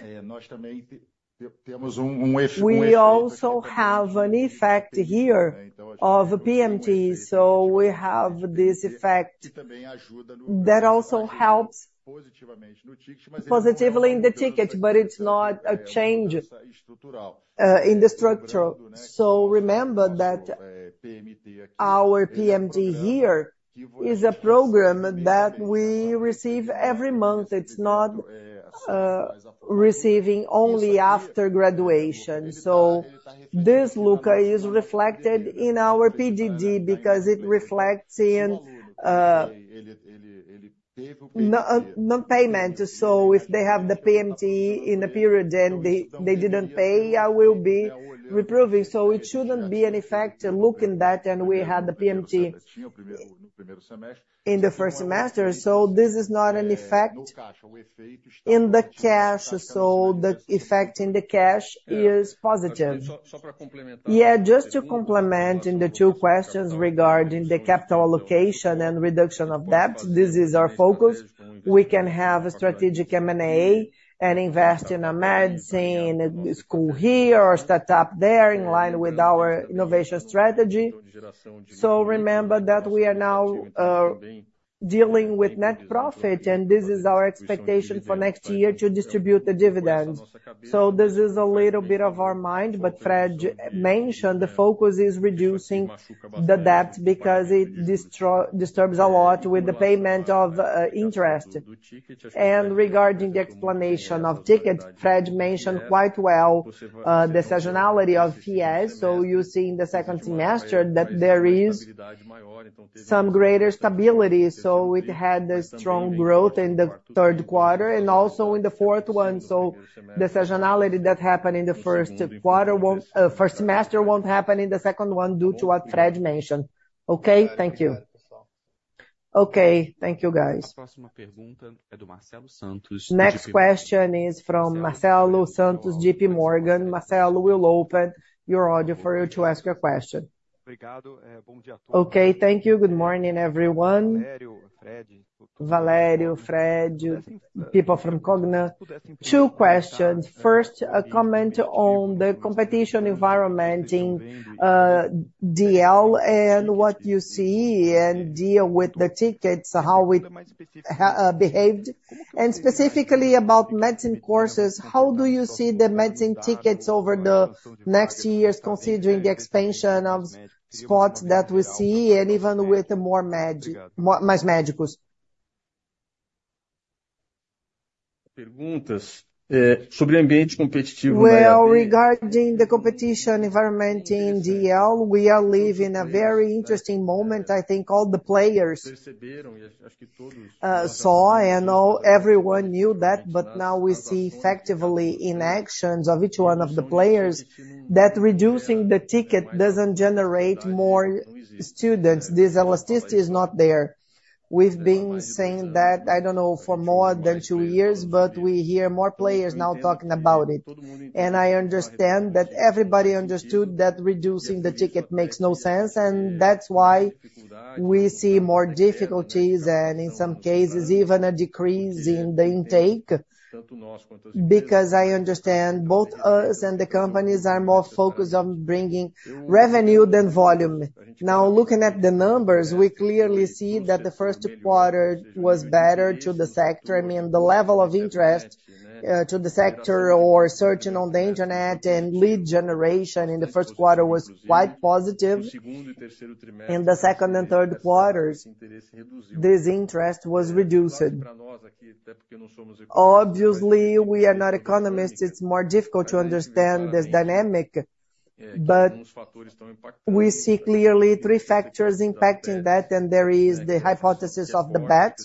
we also have an effect here of PMT. So we have this effect that also helps. Positively in the ticket, but it's. Not a change in the structure. So remember that our PMD here is a program that we receive every month. It's not receiving only after graduation. So this Lucca is reflected in our PDD because it reflects in non-payment. So if they have the PMT in the period and they didn't pay, I will be provisioning. So it shouldn't be an effect. Looking at that. And we had the PMT in the first semester, so this is not an effect in the cash. So the effect in the cash is positive. Yeah. Just to complement the two questions regarding the capital allocation and reduction of debt, this is our focus. We can have a strategic M&A and invest in a medicine school here or startup there in line with our innovation strategy. So remember that we are now dealing with net profit and this is our expectation for next year to distribute the dividends. So this is a little bit of our mind. But Fred mentioned the focus. Focus is reducing the debt because it disturbs a lot with the payment of interest. And regarding the explanation of the metrics, Fred mentioned quite well the seasonality of FIES. So you see in the second semester that there is some greater stability. So it had a strong growth in the third quarter and also in the fourth one. So the seasonality that happened in the first semester won't happen in the second one due to what Fred mentioned. Okay, thank you. Okay, thank you guys. Next question is from Marcelo Santos, JPMorgan. Marcelo will open your audio for you to ask your question. Okay, thank you. Good morning everyone, Valério, Fred, people from Cogna. Two questions. First, a comment on the competition environment in DL and what you see and deal with the tickets, how it behaved and specifically about medicine courses. How do you see the medicine tickets over the next years, considering the expansion of spots that we see and even with more Mais Médicos. Mais Médicos? Well, regarding the competition environment in DL, we are living a very interesting moment. I think all the players saw and all everyone knew that. But now we see effectively in actions of each one of the players that reducing the ticket doesn't generate more students. This elasticity is not there. We've been saying that, I don't know for more than two years, but we hear more players now talking about it. And I understand that everybody understood that reducing the ticket makes no sense. That's why we see more difficulties and in some cases even a decrease in the intake. Because I understand both us and the companies are more focused on bringing revenue than volume. Now, looking at the numbers, we clearly see that the first quarter was better to the sector. I mean the level of interest to the sector or searching on the Internet and lead generation in the first quarter was quite positive. In the second and third quarters this interest was reduced. Obviously we are not economists. It's more difficult to understand this dynamic. We see clearly three factors impacting that. And there is the hypothesis of the bet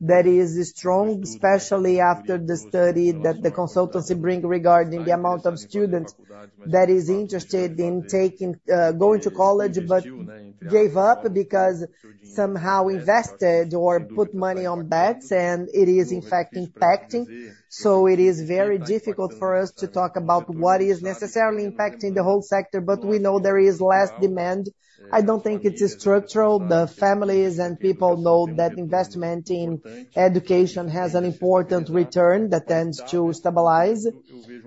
that is strong, especially after the study that the consultancy bring regarding the amount of students that is interested in taking going to college but gave up because somehow invested or put money on bets and it is in fact impacting. So it is very difficult for us to talk about what is necessarily impacting the whole sector. But we know there is less demand. I don't think it's structural. The families and people know that investment in education has an important return that tends to stabilize.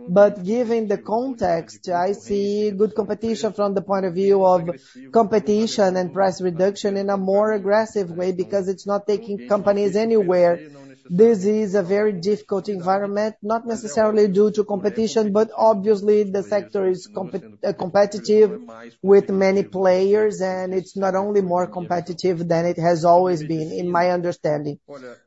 But given the context, I see good competition from the point of view of competition and price reduction in a more aggressive way because it's not taking companies anywhere. This is a very difficult environment, not necessarily due to competition, but obviously the sector is competitive with many players. It's not only more competitive than it has always been, in my understanding,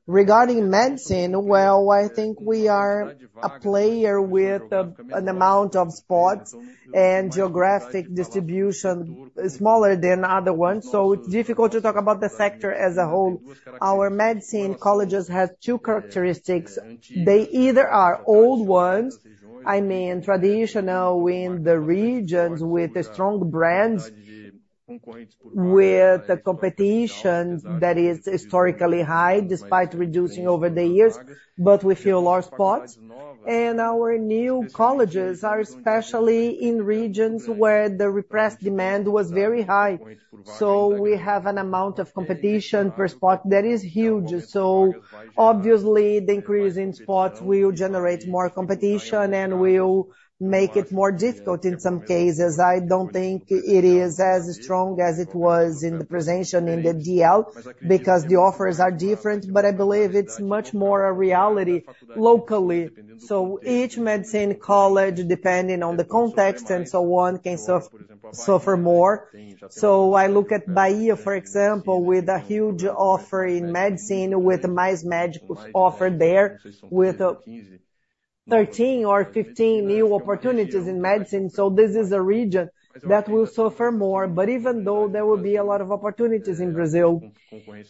regarding medicine. Well, I think we are a player with an amount of spots and geographic distribution smaller than other ones. So it's difficult to talk about the sector as a whole. Our medicine colleges have two characteristics. They either are old ones, I mean traditional in the regions with the strong brands, with the competition that is historically high despite reducing over the years. But we feel our spots and our new colleges are small, especially in regions where the repressed demand was very high. So we have an amount of competition per spot that is huge. So obviously the increase in spots will generate more competition and will make it more difficult in some cases. I don't think it is as strong as it was in the presentation in the DL because the offers are different. But I believe it's much more real locally. So each medicine college, depending on the context and so on, can suffer more. So I look at Bahia for example, with a huge offer in medicine with Mais Médicos offered there with 13 or 15 new opportunities in medicine. So this is a region that will suffer more. But even though there will be a lot of opportunities in Brazil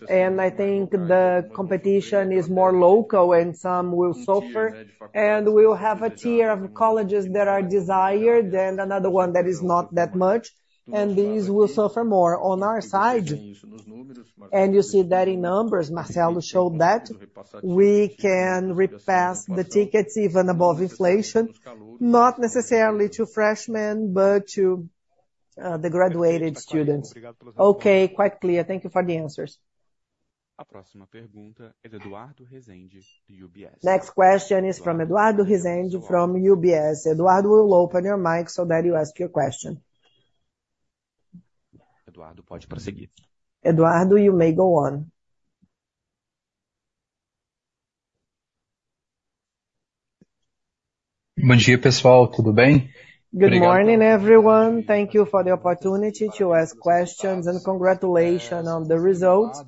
and I think the competition is more local and some will suffer and we'll have a tier of colleges that are desired and another one that is not that much and these will suffer more on our side. And you see that in numbers. Marcelo showed that we can repass the tickets even above inflation. Not necessarily to freshmen, but to the graduated students. Okay, quite clear. Thank you for the answers. Next question is from Eduardo Resende from UBS. Eduardo will open your mic so that you ask your question. Eduardo, you may go on. Good morning everyone. Thank you for the opportunity to ask questions and congratulations on the results.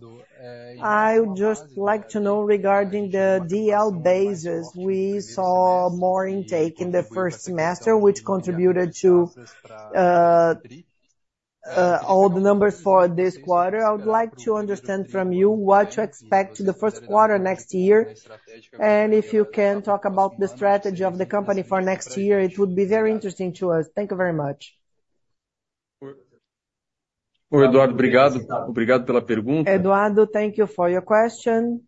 I would just like to know regarding the DL basis. We saw more intake in the first semester which contributed to all the numbers for this quarter. I would like to understand from you what to expect to the first quarter next year. And if you can talk about the strategy of the company for next year, it would be very interesting to us. Thank you very much. Eduardo, thank you for your question.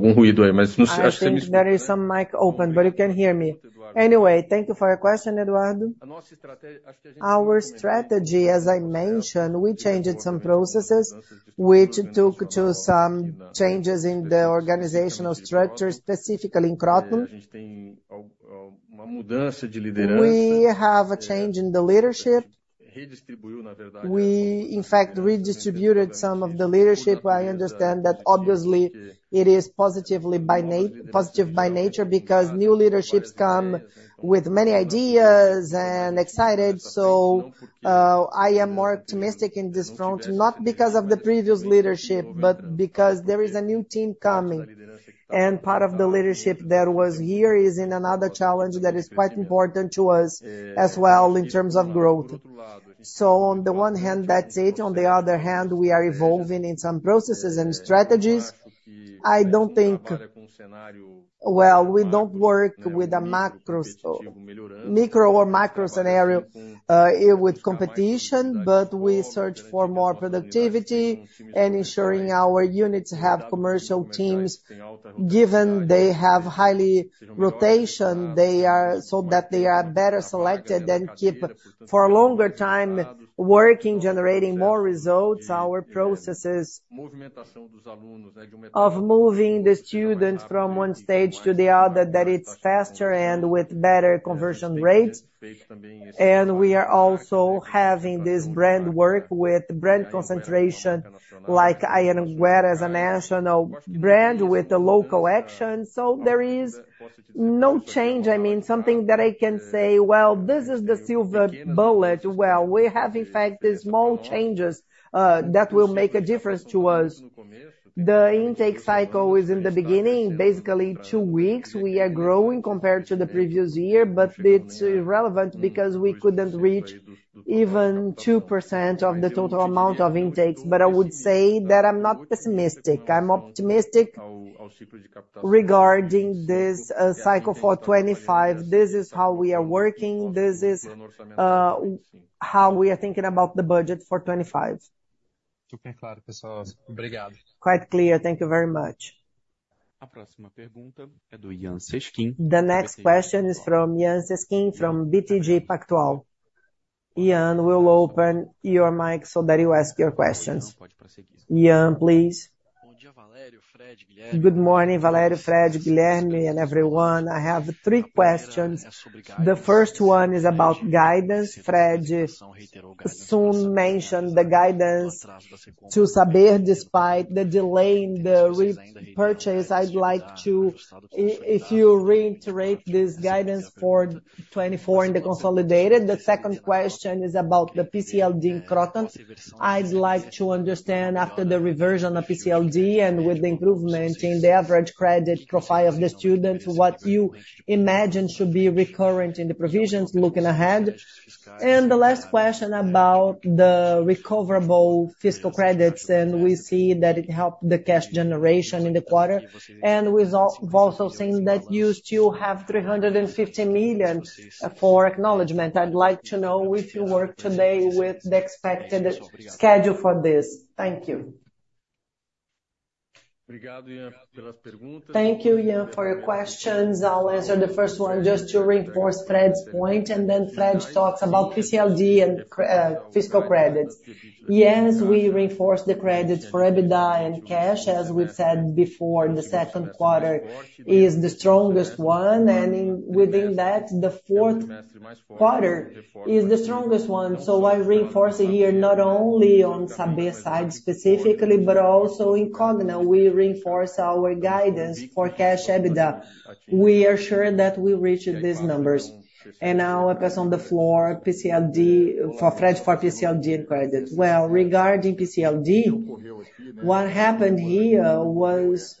There is some mic open, but you can hear me anyway. Thank you for your question. Eduardo, our strategy, as I mentioned, we changed some processes which took to some changes in the organizational structure. Specifically in Kroton we have a change in the leadership. We in fact redistributed some of the leadership. I understand that obviously it is positive by nature because new leaderships come with many ideas and excited. So I am more optimistic in this front not because of the previous leadership, but because there is a new team coming and part of the leadership that was here is in another challenge that is quite important to us as well in terms of growth. So on the one hand that's it. On the other hand we are evolving in some processes and strategies. I don't think well, we don't work with a macro, micro or macro scenario with competition. But we search for more productivity and ensuring our units have commercial teams. Given they have high rotation, they are so that they are better selected and keep for a longer time working generating more results. Our processes of moving the students from one stage to the other that it's faster and with better conversion rates. And we are also having this brand work with brand concentration like Anhanguera as a national brand with the local action. So there is no change. I mean, something that I can say. Well, this is the silver bullet. Well, we have in fact the small changes that will make a difference to us. The intake cycle is in the beginning, basically two weeks. We are growing compared to the previous year. But it's irrelevant because we couldn't reach even 2% of the total amount of intakes. But I would say that I'm not pessimistic. I'm optimistic regarding this cycle for 2025. This is how we are working. This is how we are thinking about the budget for 2025. Quite clear. Thank you very much. The next question is from Yan Cesquim from BTG Pactual. Yan will open your mic so that you ask your questions please. Good morning, Valério, Fred, Guilherme and everyone. I have three questions. The first one is about guidance. Fred soon mentioned the guidance to Saber despite the delay in the repurchase. I'd like to, if you reiterate this guidance for 2024 in the consolidated. The second question is about the PCLD Kroton. I'd like to understand after the reversion of PCLD and with the improvement in. The other credit profile of the students. What you imagine should be recurrent in the provisions looking ahead, and the last question about the recoverable fiscal credits and we see that it helped the cash generation in the quarter. And we've also seen that you still have 350 million for acknowledgement. I'd like to know if you work today with the expected schedule for this. Thank you. Thank you for your questions. I'll answer the first one just to reinforce Fred's point, and then Fred talks about PCLD and fiscal credits. Yes, we reinforce the credits for EBITDA and cash. As we've said before, the second quarter is the strongest one and within that the fourth quarter is the strongest one, so I reinforce it here not only on side specifically but also in Cogna. We reinforce our guidance for cash EBITDA. We are sure that we reach these numbers. And now I pass the floor to Fred for PCLD and credit. Well, regarding PCLD, what happened here was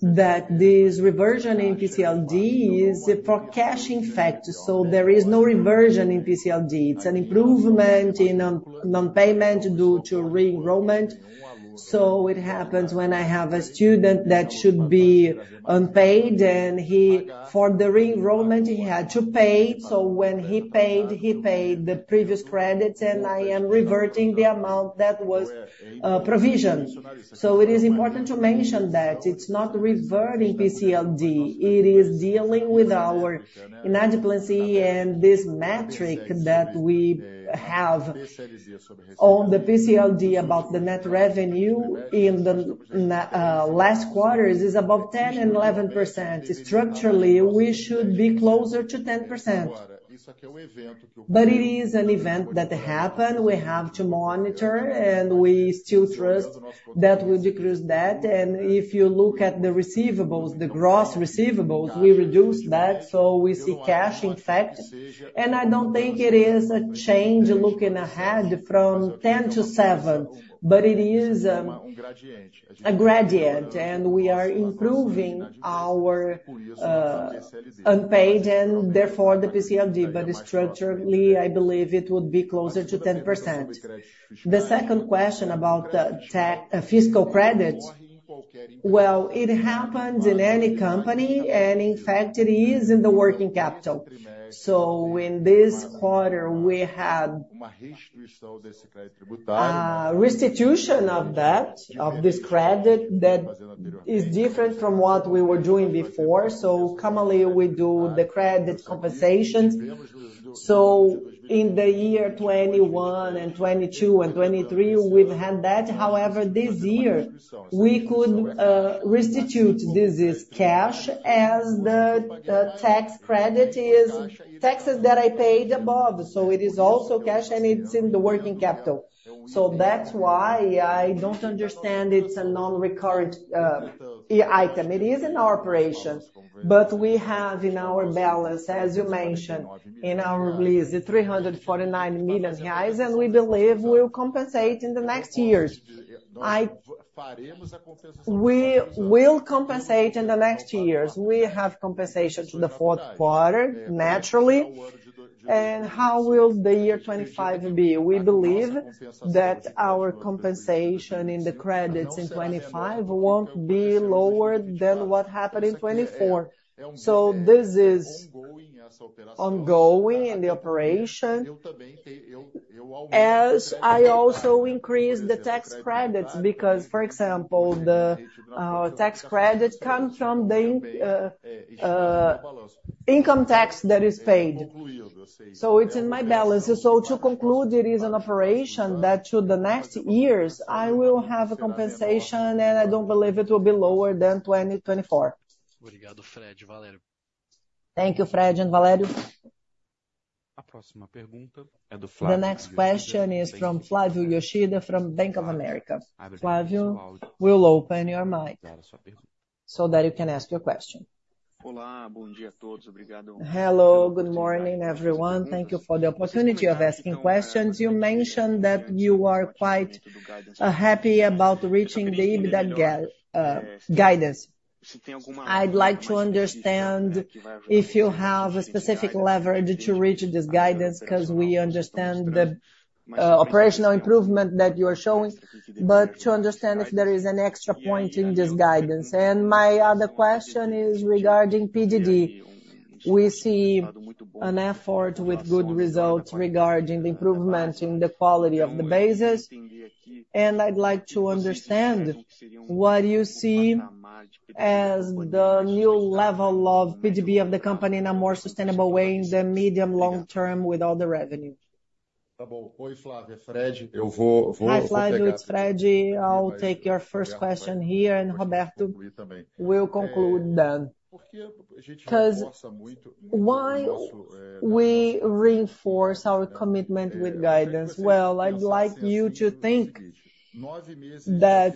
that this reversion in PCLD is for cash impact. So there is no reversal in PCLD. It's an improvement in nonpayment due to re-enrollment. So it happens when I have a student that should be unpaid and he for the re-enrollment he had to pay. So when he paid, he paid the previous credits. And I am reverting the amount that was provisioned. So it is important to mention that it's not reverting PCLD, it is dealing with our delinquency. And this metric that we have on the PCLD about the net revenue in the last quarters is above 10% and 11%. Structurally we should be closer to 10%. But it is an event that happened. We have to monitor and we still trust that we decrease that. And if you look at the receivables, the gross receivable, receivables, we reduced that. So we see cash, in fact. And I don't think it is a change looking ahead from 10% to 7%, but it is a gradient and we are improving our unpaid and therefore the PCLD. Structurally I believe it would be closer to 10%. The second question about fiscal credit. Well, it happens in any company and in fact it is in the working capital. So in this quarter we had restitution of debt of this credit that is different from what we were doing before. Commonly we do the credit compensation. So in the year 2021 and 2022 and 2023 we've had that. However, this year we could restitute. This is cash as the tax credit is taxes that I paid above. So it is also cash and it's in the working capital. So that's why I don't understand. It's a nonrecurrent item. It is in our operations, but we. have in our balance, as you mentioned in our release, 349 million reais. We believe we'll compensate in the next years. We will compensate in the next years. We have compensation to the fourth quarter, naturally. How will the year 2025 be? We believe that our compensation in the credits in 2025 won't be lower than what happened in 2024, so this is ongoing in the operation. As I also increase the tax credits because, for example, the tax credit comes from the income tax that is paid. So it's in my balance. So to conclude, it is an operation that to the next years I will have a compensation and I don't believe. It will be lower than 2024. Thank you, Fred and Valério. The next question is from Flavio Yoshida from Bank of America. Flavio, we'll open your mic so that you can ask your question. Hello, good morning everyone. Thank you for the opportunity of asking questions. You mentioned that you are quite happy. About reaching the EBITDA guidance. I'd like to understand if you have a specific leverage to reach this guidance because we understand the operational improvement that you are showing. But to understand if there is an extra point in this guidance. And my other question is regarding PDD. We see an effort with good results regarding the improvement in the quality of the bases. And I'd like to understand what you see as the new level of PDD. Of the company in a more sustainable way in the medium long term, with all the revenue. I'll take your first question here and. Roberto will conclude then. Because we reinforce our commitment to guidance. I'd like you to think that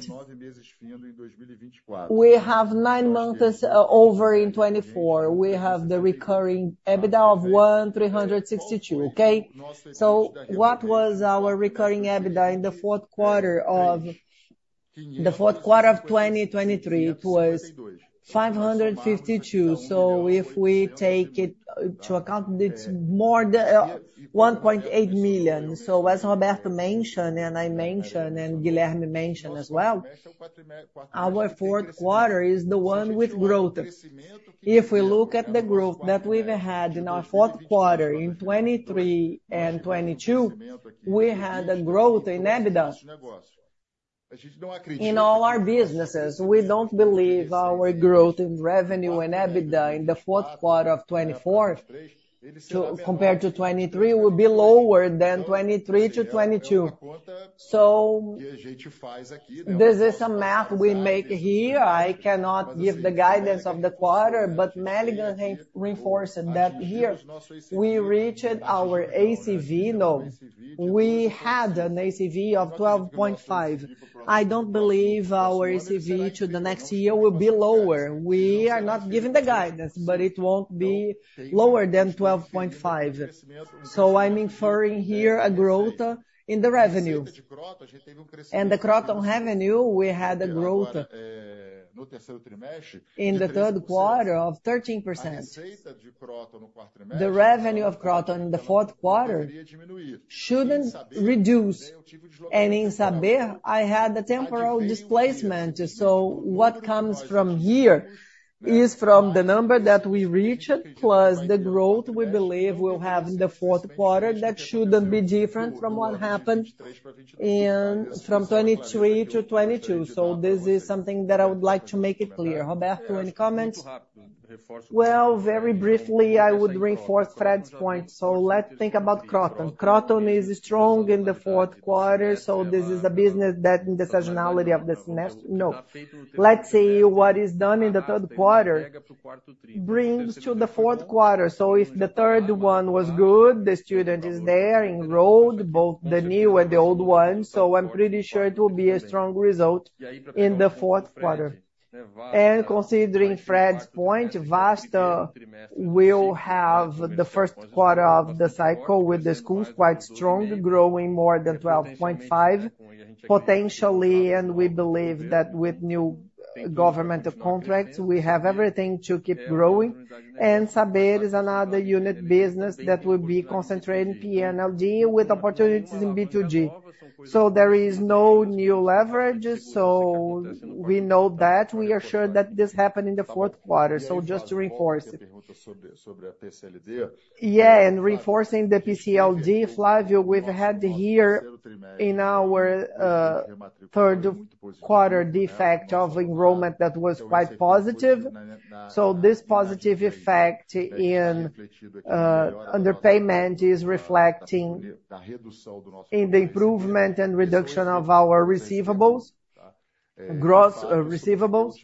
we have nine months of 2024. We have the recurring EBITDA of 1,362. Okay, so what was our recurring EBITDA in the fourth quarter of 2023? It was 552. So if we take it into account, it's more than 1.8 million. So as Roberto mentioned and I mentioned. Guilherme mentioned as well, our fourth quarter is the one with growth. If we look at the growth that we've had in our fourth quarter in 2023 and 2022, we had a growth in EBITDA in all our businesses. We don't believe our growth in revenue and EBITDA in the fourth quarter 2024 compared to 2023 will be lower than 2023 to 2022. So this is a math we make here. I cannot give the guidance of the quarter, but Mel reinforcing that here we reached our ACV growth. We had an ACV of 12.5. I don't believe our next year will be lower. We are not giving the guidance, but it won't be lower than 12.5, so I'm inferring here a growth in. The revenue and the Kroton revenue. We had a growth in the third quarter of 13%. The revenue of Kroton in the fourth quarter shouldn't reduce, and in Saber I had the temporal displacement. So what comes from here is from. The number that we reached plus the growth we believe we'll have in the fourth quarter. That shouldn't be different from what happened from 2023 to 2022. So this is something that I would like to make it clear. Roberto, any comments? Well, very briefly I would reinforce Fred's point. So let's think about Kroton. Kroton is strong in the fourth quarter. So this is a business that the seasonality of the semester. No, let's see what is done in the third quarter brings to the fourth quarter. So if the third one was good, the student is there, enrolled both the new and the old one. So I'm pretty sure it will be a strong result in the fourth quarter. And considering Fred's point Vasta will have the first quarter of the cycle with the schools quite strong, growing more than 12.5% potentially. And we believe that with new government contracts we have everything to keep growing. And Saber is another unit business that will be concentrating PNLD with opportunities in B2G. So there is no new leverage. So we know that. We are sure that this happened in the fourth quarter. So just to reinforce it. Yeah, and reinforcing the PCLD. Flavio, we've had here in our third quarter effect of enrollment that was quite positive. So this positive effect in underpayment is reflecting in the improvement and reduction of our receivables, gross receivables.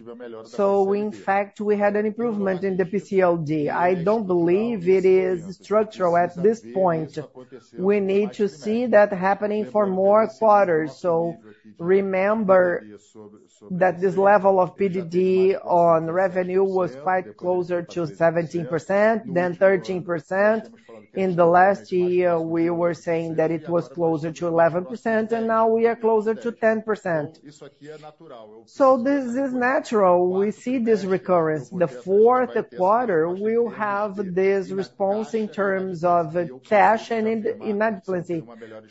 So in fact we had an improvement in the PCLD. I don't believe it is structural at this point. We need to see that happening for more quarters. So remember that this level of PCLD on revenue was quite closer to 17% than 13%. In the last year we were saying that it was closer to 11% and now we are closer to 10%. So this is natural. We see this recurrence. The fourth quarter will have this response in terms of cash and margin.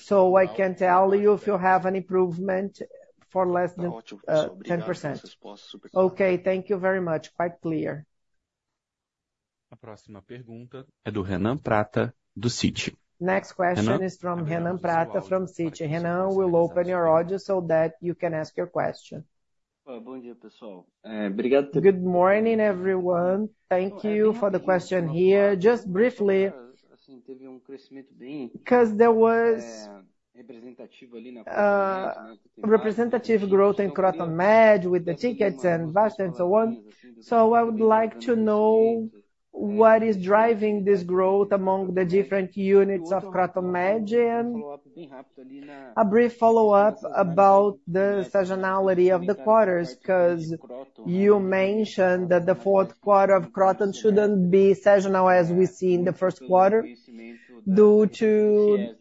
So, I can tell you if you have an improvement for less than 10%. Okay, thank you very much. Quite clear. Next question is from Renan from Citi. Will open your audio so that you can ask your question. Good morning everyone. Thank you for the question here. Just briefly because there was. Representative growth. In Cogna with the tickers and Vasta and so on. So I would like to know what is driving this growth among the different units of Cogna. A brief follow up about the seasonality of the quarters because you mentioned that the fourth quarter of Kroton shouldn't be seasonal as we see in the first quarter due to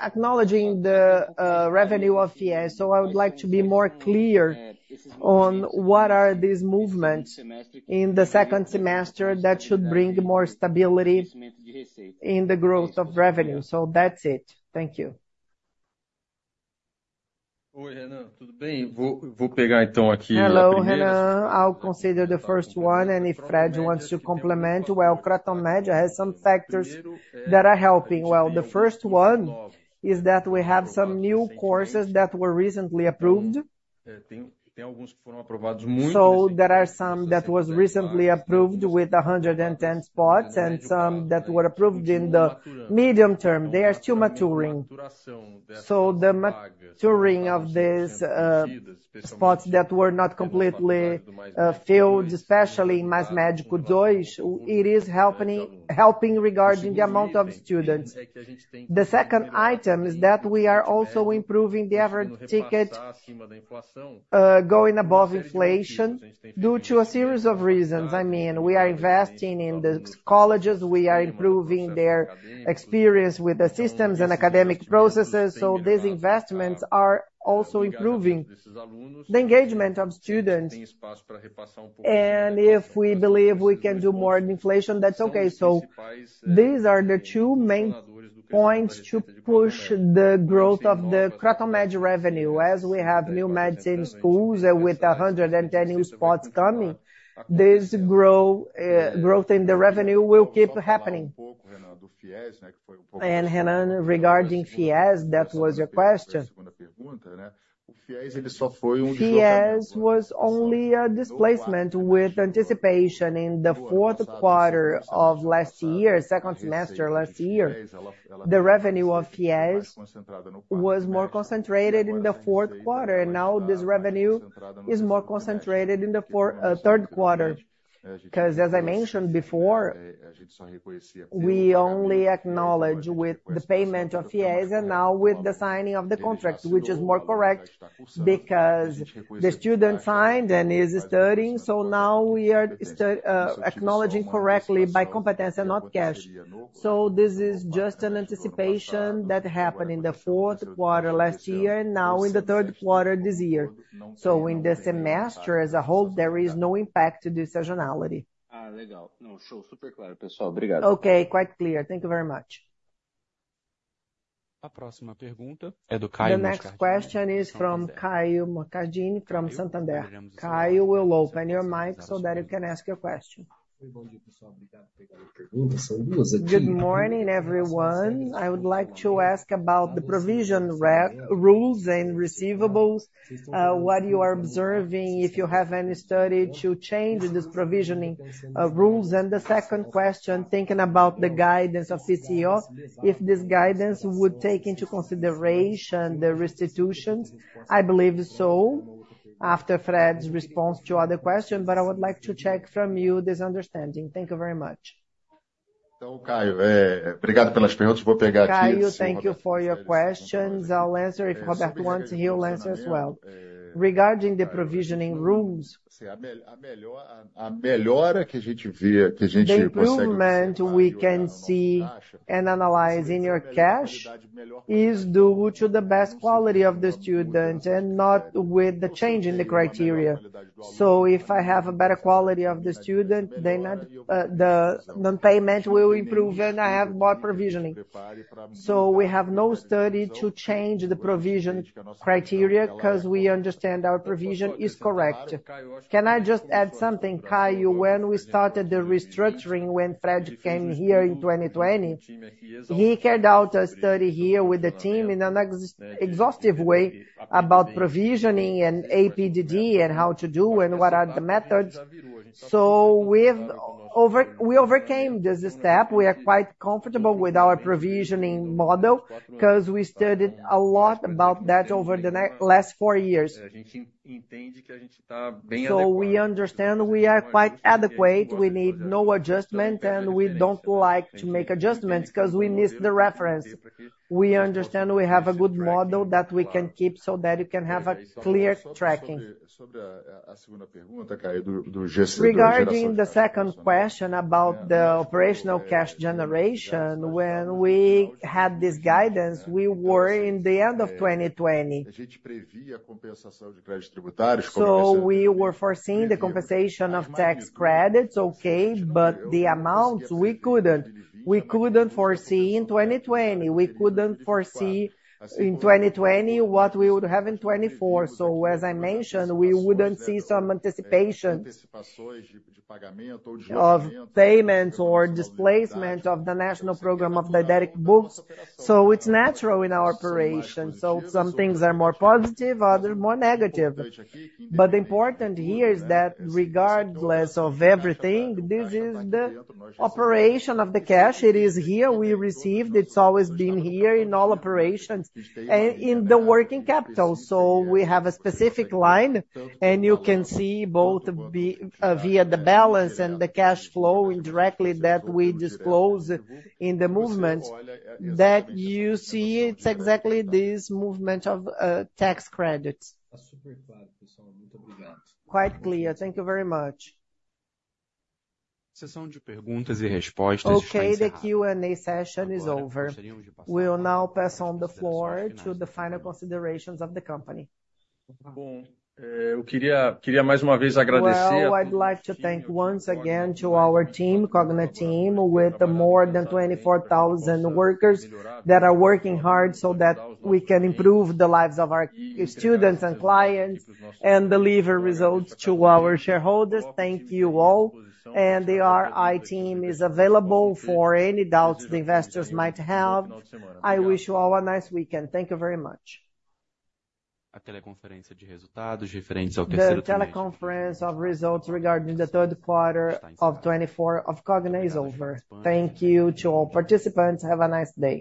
acknowledging the revenue of FIES. So I would like to be more clear on what are these movements in the second semester that should bring more stability in the growth of revenue. So that's it. Thank you. Hello. I'll consider the first one. And if Fred wants to complement. Well, Cogna has some factors that are helping. Well, the first one is that we have some new courses that were recently approved. So there are some that was recently approved with 110 spots and some that were approved in the medium term they are still maturing. So the turnover of these spots that were not completely filled, especially in Mais Médicos, is helping regarding the amount of students. The second item is that we are also improving the average ticket going above inflation due to a series of reasons. I mean we are investing in the colleges, we are improving their experience with the systems and academic processes. So these investments are also improving the engagement of students. And if we believe we can do more inflation, that's okay. So these are the two main points to push the growth of the Kroton Med revenue. As we have new medicine schools with 100 new spots coming, this growth in the revenue will keep happening. Renan, regarding FIES, that was your question. FIES was only a displacement with anticipation in the fourth quarter of last year. Second semester last year the revenue of FIES was more concentrated in the fourth quarter and now this revenue is more concentrated in the third quarter because as I mentioned before, we only acknowledge with the payment of FIES and now with the signing of the contract which is more correct because the student signed and is studying. So now we are acknowledging correctly by competence and not cash. So this is just an anticipation that happened in the fourth quarter last year and now in the third quarter this year. So in the semester as a whole there is no impact to the seasonality. Okay, quite clear. Thank you very much. The next question is from Caio Moscardini from Santander. Caio, we'll open your mic so that you can ask your question. Good morning everyone. I would like to ask about the provisioning rules and receivables. What you are observing if you have any study to change these provisioning rules. And the second question, thinking about the guidance of CTO. If this guidance would take into consideration the restitutions. I believe so after Fred's response to other questions. But I would like to check from you this understanding. Thank you very much. Thank you for your questions. I'll answer once. He'll answer as well. Regarding the provisioning rules. We can see and analyze in our cash is due to the best quality of the student and not with the change in the criteria. So if I have a better quality of the student then the nonpayment will improve and I have more professional provisioning. So we have no study to change the provision criteria because we understand our provision is correct. Can I just add something, Caio? When we started the restructuring, when Fred came here in 2020, he carried out a study here with the team in an exhaustive way about provisioning and PCLD and how to do and what are the methods. So we overcame this step. We are quite comfortable with our provisioning model because we studied a lot about that over the last four years. So we understand we are quite adequate. We need no adjustment and we don't like to make adjustments because we miss the reference. We understand we have a good model that we can keep so that you can have a clear tracking. Regarding the second question about the operational cash generation. When we had this guidance, we were in the end of 2020, so we were foreseeing the compensation of tax credits. Okay, but the amounts we couldn't. We couldn't foresee in 2020. We couldn't foresee in 2020 what we would have in 2024. So as I mentioned, we wouldn't see some anticipation of payment or displacement of the National Program of Didactic Books. So it's natural in our operation. So some things are more positive, other more negative. But the important here is that regardless of everything, this is the operation of the cash. It is here we received. It's always been here in all operations and in the working capital. So we have a specific line and you can see both via the balance and the cash flow indirectly that we disclose in the movement that you see. It's exactly this movement of tax credits. Quite clear. Thank you very much. Okay, the Q&A session is over. We will now pass on the floor to the final considerations of the company. I'd like to thank once again to our team, Cogna team with more than 24,000 workers that are working hard so that we can improve the lives of our students and clients and deliver results to our shareholders. Thank you all. And the RI team is available for any doubts the investors might have. I wish you all a nice weekend. Thank you very much. The teleconference of results regarding the third quarter of 2024 of Cogna is over. Thank you to all participants. Have a nice day.